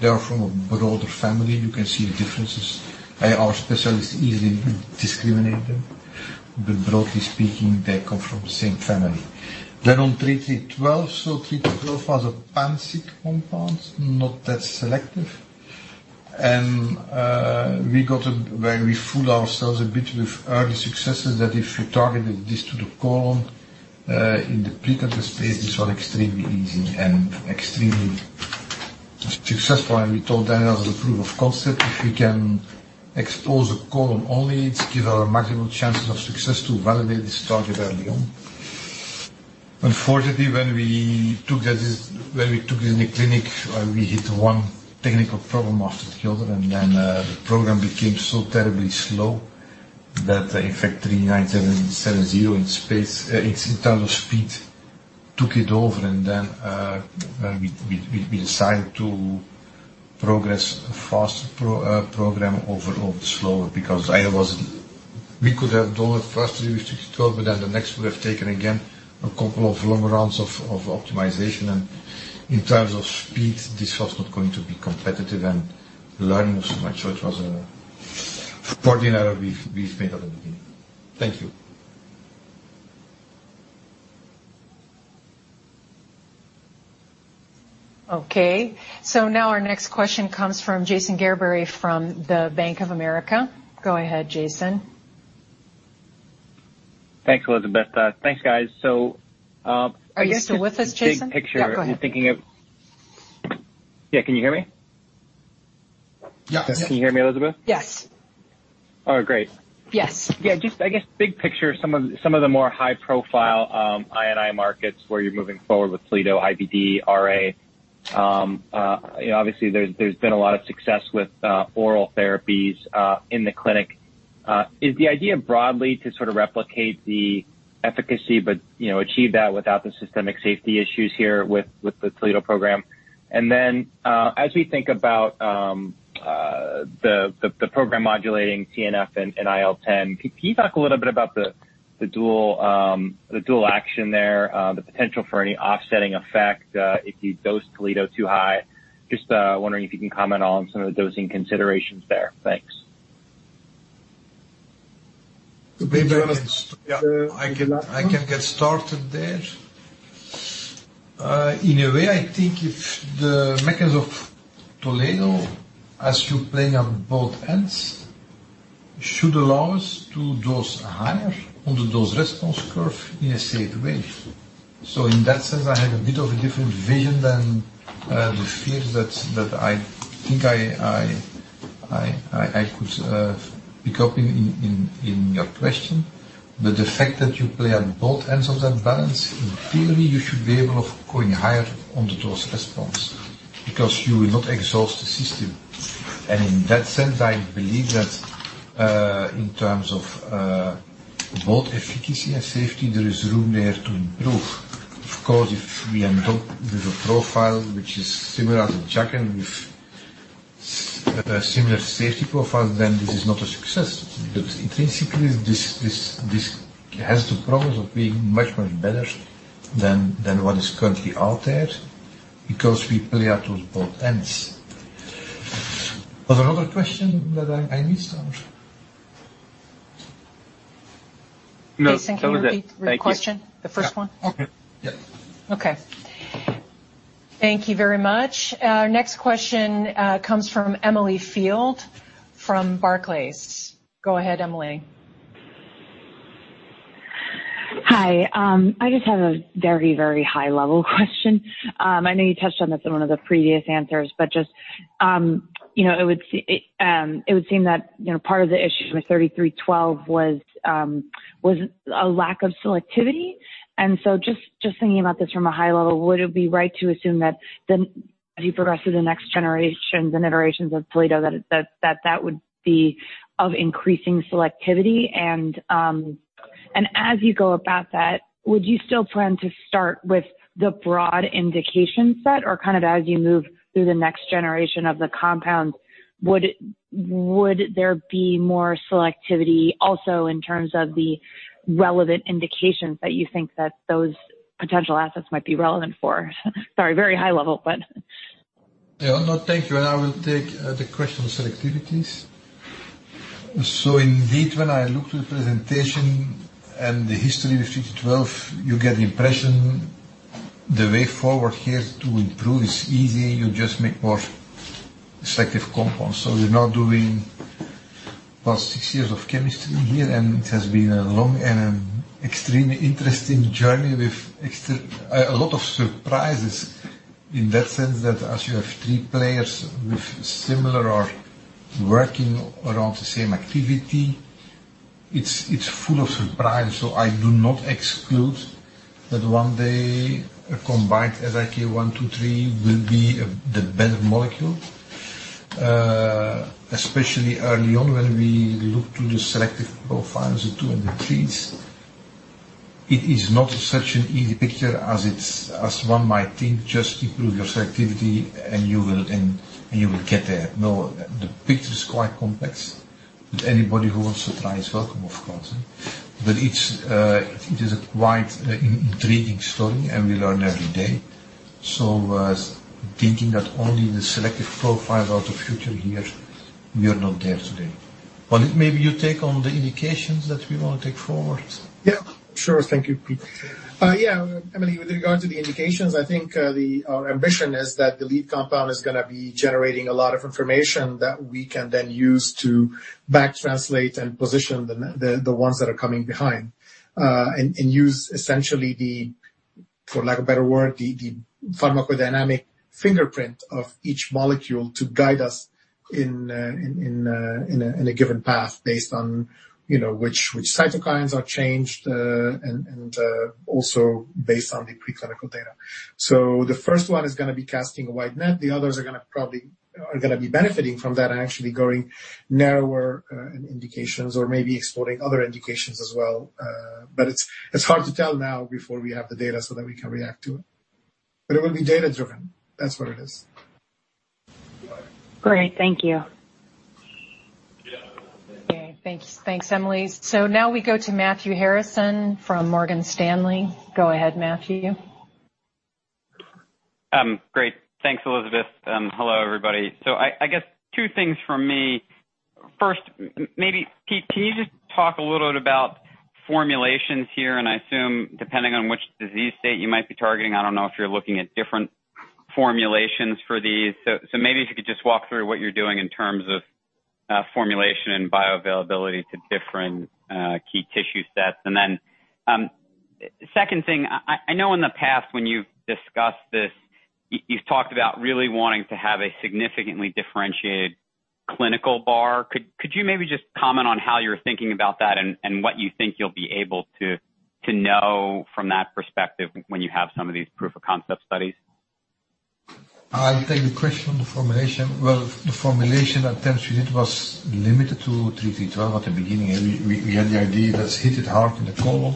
they are from a broader family. You can see the differences. Our specialists easily discriminate them. Broadly speaking, they come from the same family. On GLPG3312, so GLPG3312 was a pan-SIK compound, not that selective. We fooled ourselves a bit with early successes that if you targeted this to the colon, in the pre-cancer space, these are extremely easy and extremely successful. We thought that as a proof of concept, if we can expose the colon only, it give our maximum chances of success to validate this target early on. Unfortunately, when we took it in the clinic, we hit one technical problem after the other, and then the program became so terribly slow that in fact GLPG3970 in terms of speed, took it over. We decided to progress faster program over all the slower because We could have done it faster with GLPG3312, but then the next would have taken again a couple of long rounds of optimization. In terms of speed, this was not going to be competitive and learning so much was a fortunate error we've made at the beginning. Thank you. Okay, now our next question comes from Jason Gerberry from the Bank of America. Go ahead, Jason. Thanks, Elizabeth. Thanks, guys. Are you still with us, Jason? Big picture in thinking of. Yeah, go ahead. Yeah, can you hear me? Yes. Can you hear me, Elizabeth? Yes. Oh, great. Yes. Yeah, just I guess big picture, some of the more high profile I&I markets where you're moving forward with Toledo, IBD, RA. Obviously, there's been a lot of success with oral therapies in the clinic. Is the idea broadly to sort of replicate the efficacy but achieve that without the systemic safety issues here with the Toledo program? As we think about the program modulating TNF and IL-10, can you talk a little bit about the dual action there, the potential for any offsetting effect if you dose Toledo too high? Just wondering if you can comment on some of the dosing considerations there. Thanks. Maybe I can start. Yeah. I can get started there. I think if the mechanism of Toledo, as you play on both ends, should allow us to dose higher on the dose response curve in a safe way. In that sense, I have a bit of a different vision than the fear that I think I could pick up in your question. The fact that you play on both ends of that balance, in theory, you should be able of going higher on the dose response because you will not exhaust the system. In that sense, I believe that in terms of both efficacy and safety, there is room there to improve. Of course, if we end up with a profile which is similar to JAK and with a similar safety profile, this is not a success. Because intrinsically, this has the problems of being much, much better than what is currently out there because we play out those both ends. Was there another question that I missed or? No, that was it. Thank you. Jason, can you repeat the question? The first one? Yeah. Okay. Thank you very much. Our next question comes from Emily Field from Barclays. Go ahead, Emily. Hi. I just have a very, very high-level question. I know you touched on this in one of the previous answers. It would seem that part of the issue with GLPG3312 was a lack of selectivity. Thinking about this from a high level, would it be right to assume that as you progress to the next generations and iterations of Toledo, that would be of increasing selectivity? As you go about that, would you still plan to start with the broad indication set? As you move through the next generation of the compounds, would there be more selectivity also in terms of the relevant indications that you think that those potential assets might be relevant for? Sorry, very high level. No, thank you. I will take the question on selectivities. Indeed, when I look to the presentation and the history of GLPG3312, you get the impression the way forward here to improve is easy. You just make more selective compounds. We're now doing the past six years of chemistry here, it has been a long and extremely interesting journey with a lot of surprises in that sense that as you have three players with similar or working around the same activity, it's full of surprises. I do not exclude that one day a combined SIK123 will be the better molecule. Especially early on when we look to the selective profiles of two and the threes. It is not such an easy picture as one might think, just improve your selectivity and you will get there. The picture is quite complex, but anybody who wants to try is welcome, of course. It is a quite intriguing story and we learn every day. Thinking that only the selective profile of the future here, we are not there today. Walid, maybe you take on the indications that we want to take forward. Yeah, sure. Thank you, Piet. Yeah, Emily, with regard to the indications, I think our ambition is that the lead compound is going to be generating a lot of information that we can then use to back translate and position the ones that are coming behind. Use essentially the, for lack of a better word, the pharmacodynamic fingerprint of each molecule to guide us in a given path based on which cytokines are changed and also based on the preclinical data. The first one is going to be casting a wide net. The others are going to be benefiting from that and actually going narrower in indications or maybe exploring other indications as well. It's hard to tell now before we have the data so that we can react to it. It will be data-driven. That's what it is. Great. Thank you. Okay. Thanks, Emily. Now we go to Matthew Harrison from Morgan Stanley. Go ahead, Matthew. Great. Thanks, Elizabeth. Hello, everybody. I guess two things from me. First, maybe Piet, can you just talk a little bit about formulations here? I assume depending on which disease state you might be targeting, I don't know if you're looking at different formulations for these. Maybe if you could just walk through what you're doing in terms of formulation and bioavailability to different key tissue sets. Second thing, I know in the past when you've discussed this, you've talked about really wanting to have a significantly differentiated clinical bar. Could you maybe just comment on how you're thinking about that and what you think you'll be able to know from that perspective when you have some of these proof of concept studies? I'll take the question on the formulation. Well, the formulation attempts we did was limited to GLPG3312 at the beginning. We had the idea, let's hit it hard in the core,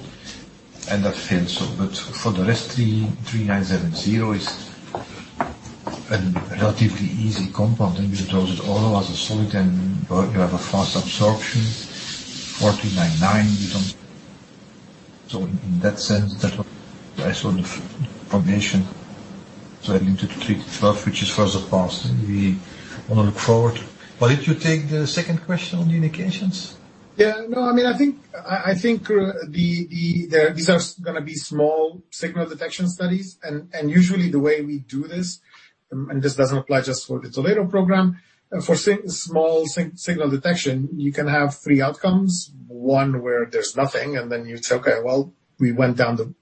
and that failed. For the rest, 3970 is a relatively easy compound because it all was a solid and you have a fast absorption. In that sense, that was the best one, the formulation. I limited to GLPG3312, which is further past. We want to look forward. Walid, you take the second question on the indications. Yeah. I think these are going to be small signal detection studies. Usually the way we do this, and this doesn't apply just for the Toledo program. For small signal detection, you can have three outcomes. One where there's nothing, and then you say, Okay, well, we went down the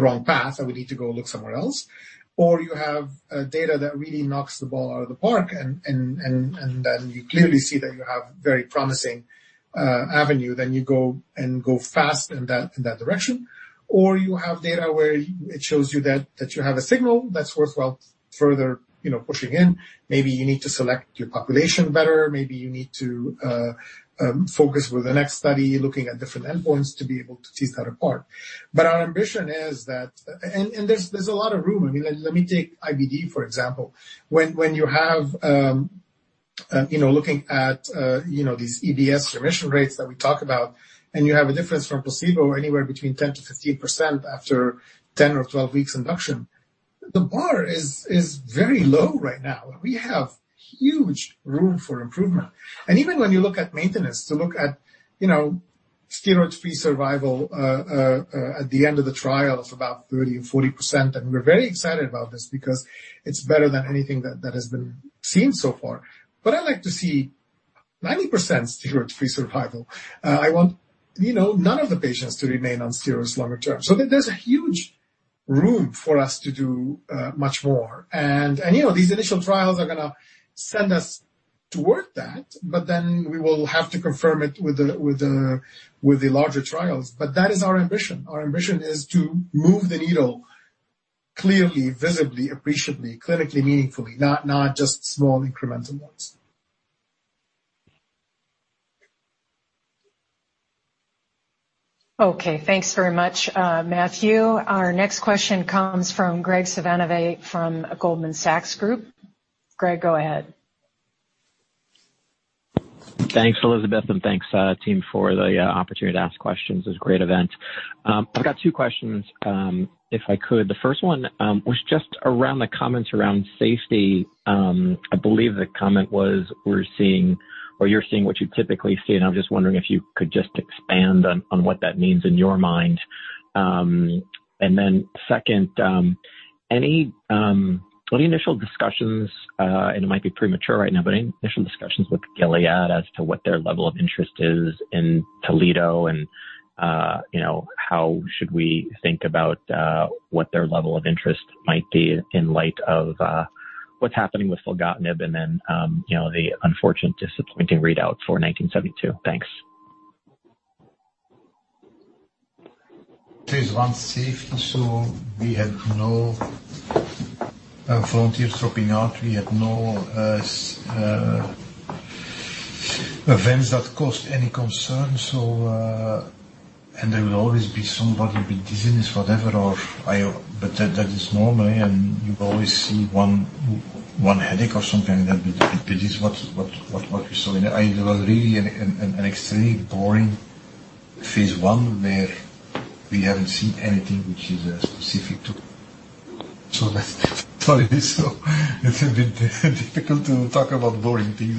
wrong path, and we need to go look somewhere else. You have data that really knocks the ball out of the park, and then you clearly see that you have very promising avenue, then you go and go fast in that direction. You have data where it shows you that you have a signal that's worthwhile further pushing in. Maybe you need to select your population better. Maybe you need to focus with the next study, looking at different endpoints to be able to tease that apart. Our ambition is that. There's a lot of room. Let me take IBD, for example. Looking at these EBS remission rates that we talk about, and you have a difference from placebo anywhere between 10%-15% after 10 or 12 weeks induction. The bar is very low right now. We have huge room for improvement. Even when you look at maintenance, to look at steroid-free survival at the end of the trial of about 30% and 40%, and we're very excited about this because it's better than anything that has been seen so far. I like to see 90% steroid-free survival. I want none of the patients to remain on steroids longer term. There's a huge room for us to do much more. These initial trials are going to send us toward that, but then we will have to confirm it with the larger trials. That is our ambition. Our ambition is to move the needle clearly, visibly, appreciably, clinically meaningfully, not just small incremental ones. Okay. Thanks very much, Matthew. Our next question comes from Graig Suvannavejh from Goldman Sachs Group. Graig, go ahead. Thanks, Elizabeth, and thanks team for the opportunity to ask questions. It's a great event. I've got two questions, if I could. The first one was just around the comments around safety. I believe the comment was we're seeing, or you're seeing what you typically see. I'm just wondering if you could just expand on what that means in your mind. Second, any initial discussions, and it might be premature right now, but any initial discussions with Gilead as to what their level of interest is in Toledo and how should we think about what their level of interest might be in light of what's happening with filgotinib and then the unfortunate disappointing readout for GLPG1972? This one's safe. We had no volunteers dropping out. We had no events that caused any concern. There will always be somebody, be dizziness, whatever, but that is normal, and you always see one headache of some kind, and that will be what you saw. It was really an extremely boring phase I where we haven't seen anything which is specific to sorry, it's a bit difficult to talk about boring things.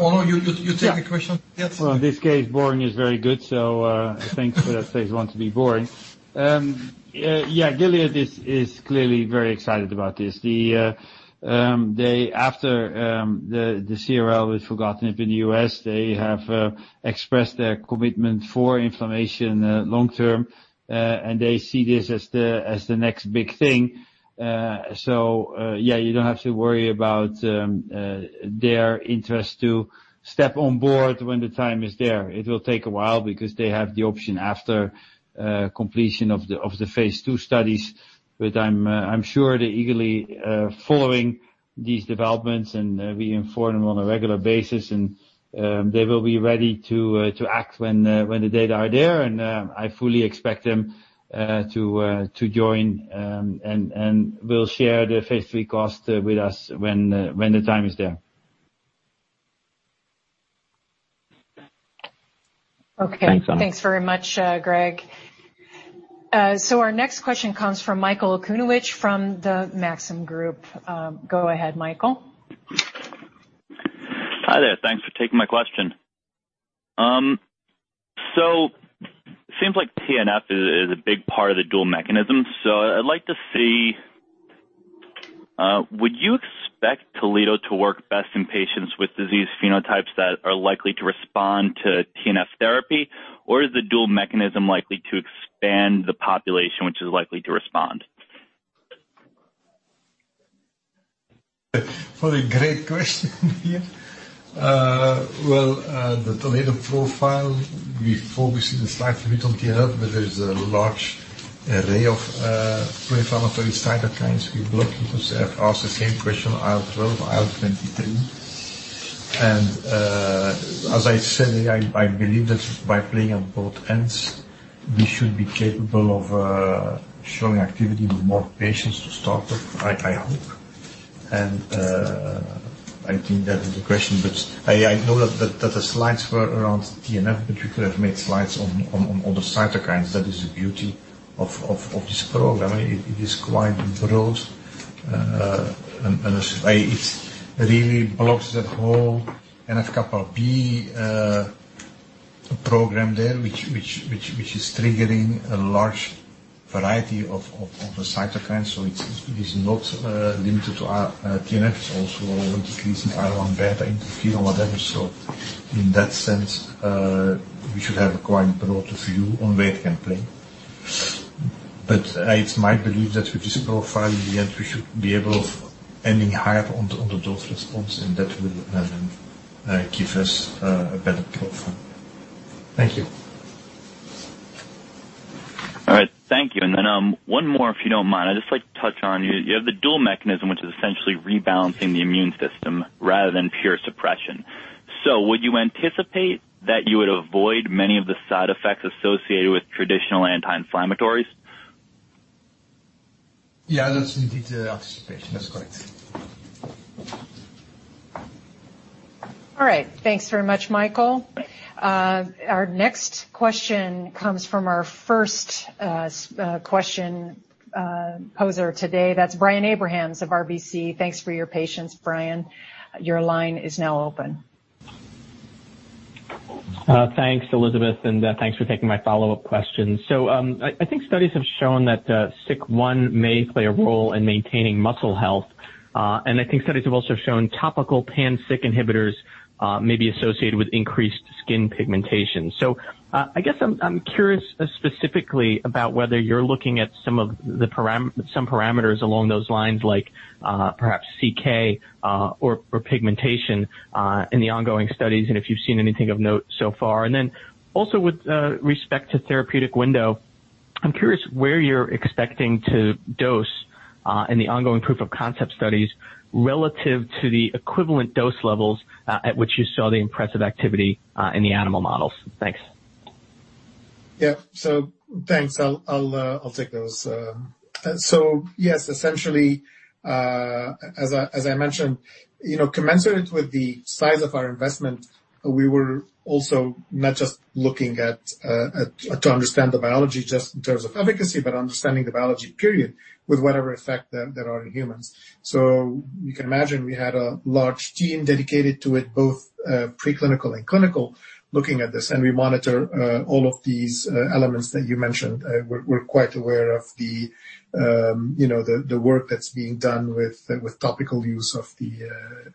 Onno, you take the question? Well, in this case, boring is very good. Thanks for that phase I to be boring. Yeah, Gilead is clearly very excited about this. After the CRL with filgotinib in the U.S., they have expressed their commitment for inflammation long term, and they see this as the next big thing. Yeah, you don't have to worry about their interest to step on board when the time is there. It will take a while because they have the option after completion of the phase II studies. I'm sure they're eagerly following these developments, and we inform them on a regular basis, and they will be ready to act when the data are there. I fully expect them to join, and will share the phase III cost with us when the time is there. Thanks, Onno. Okay. Thanks very much, Graig. Our next question comes from Michael Okunewitch from the Maxim Group. Go ahead, Michael. Hi there. Thanks for taking my question. It seems like TNF is a big part of the dual mechanism. Would you expect Toledo to work best in patients with disease phenotypes that are likely to respond to TNF therapy? Or is the dual mechanism likely to expand the population which is likely to respond? For the great question here. Well, the Toledo profile, we focus it a slight bit on TNF, but there is a large array of pro-inflammatory cytokines we block because I have asked the same question, IL-12, IL-23. As I said, I believe that by playing at both ends, we should be capable of showing activity with more patients to start with, I hope. I think that is the question, but I know that the slides were around TNF, but you could have made slides on other cytokines. That is the beauty of this program. It is quite broad, and it really blocks that whole NF-κB program there, which is triggering a large variety of the cytokines. It is not limited to TNF. It is also decreasing IL-1β, interferon, whatever. In that sense, we should have a quite broad view on where it can play. It's my belief that with this profile, in the end, we should be able of aiming higher on the dose response, and that will then give us a better profile. Thank you. All right. Thank you. One more, if you don't mind. I'd just like to touch on, you have the dual mechanism, which is essentially rebalancing the immune system rather than pure suppression. Would you anticipate that you would avoid many of the side effects associated with traditional anti-inflammatories? Yeah, that's indeed the anticipation. That's correct. All right. Thanks very much, Michael. Our next question comes from our first question poser today. That's Brian Abrahams of RBC. Thanks for your patience, Brian. Your line is now open. Thanks, Elizabeth, and thanks for taking my follow-up question. I think studies have shown that SIK1 may play a role in maintaining muscle health, and I think studies have also shown topical pan-SIK inhibitors may be associated with increased skin pigmentation. I guess I'm curious specifically about whether you're looking at some parameters along those lines like perhaps CK or pigmentation in the ongoing studies, and if you've seen anything of note so far. With respect to therapeutic window, I'm curious where you're expecting to dose in the ongoing proof of concept studies relative to the equivalent dose levels at which you saw the impressive activity in the animal models. Thanks. Yeah. Thanks. I'll take those. Yes, essentially, as I mentioned, commensurate with the size of our investment, we were also not just looking to understand the biology just in terms of efficacy, but understanding the biology period with whatever effect there are in humans. You can imagine we had a large team dedicated to it, both preclinical and clinical, looking at this, and we monitor all of these elements that you mentioned. We're quite aware of the work that's being done with topical use of the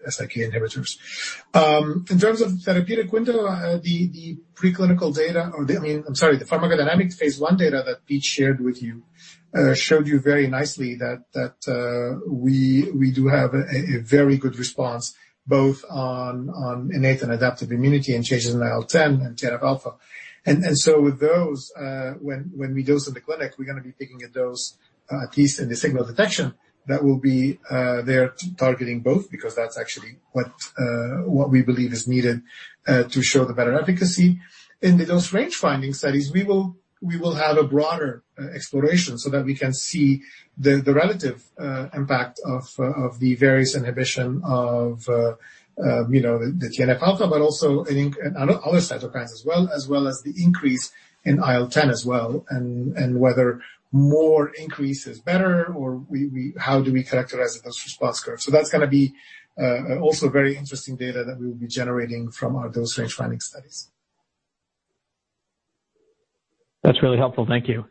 SIK inhibitors. In terms of therapeutic window, the preclinical data or I'm sorry, the pharmacodynamic phase I data that Piet shared with you showed you very nicely that we do have a very good response, both on innate and adaptive immunity and changes in IL-10 and TNF-α. With those, when we dose in the clinic, we're going to be taking a dose, at least in the signal detection, that will be there targeting both because that's actually what we believe is needed to show the better efficacy. In the dose range-finding studies, we will have a broader exploration so that we can see the relative impact of the various inhibition of the TNF-α, but also I think other cytokines as well, as well as the increase in IL-10 as well, and whether more increase is better or how do we characterize those response curves. That's going to be also very interesting data that we'll be generating from those range-finding studies. That's really helpful. Thank you.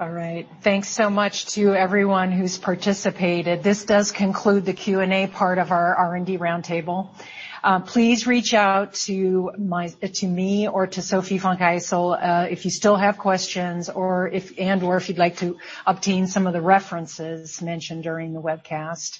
All right. Thanks so much to everyone who's participated. This does conclude the Q&A part of our R&D roundtable. Please reach out to me or to Sofie Van Gijsel if you still have questions and/or if you'd like to obtain some of the references mentioned during the webcast.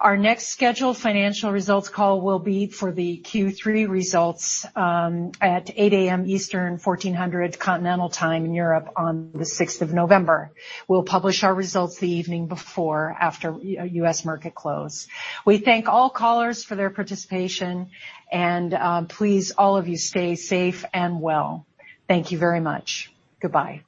Our next scheduled financial results call will be for the Q3 results at 8:00 A.M. Eastern, 2:00 P.M. Continental Time in Europe on the 6th of November. We'll publish our results the evening before, after U.S. market close. We thank all callers for their participation and please, all of you, stay safe and well. Thank you very much. Goodbye.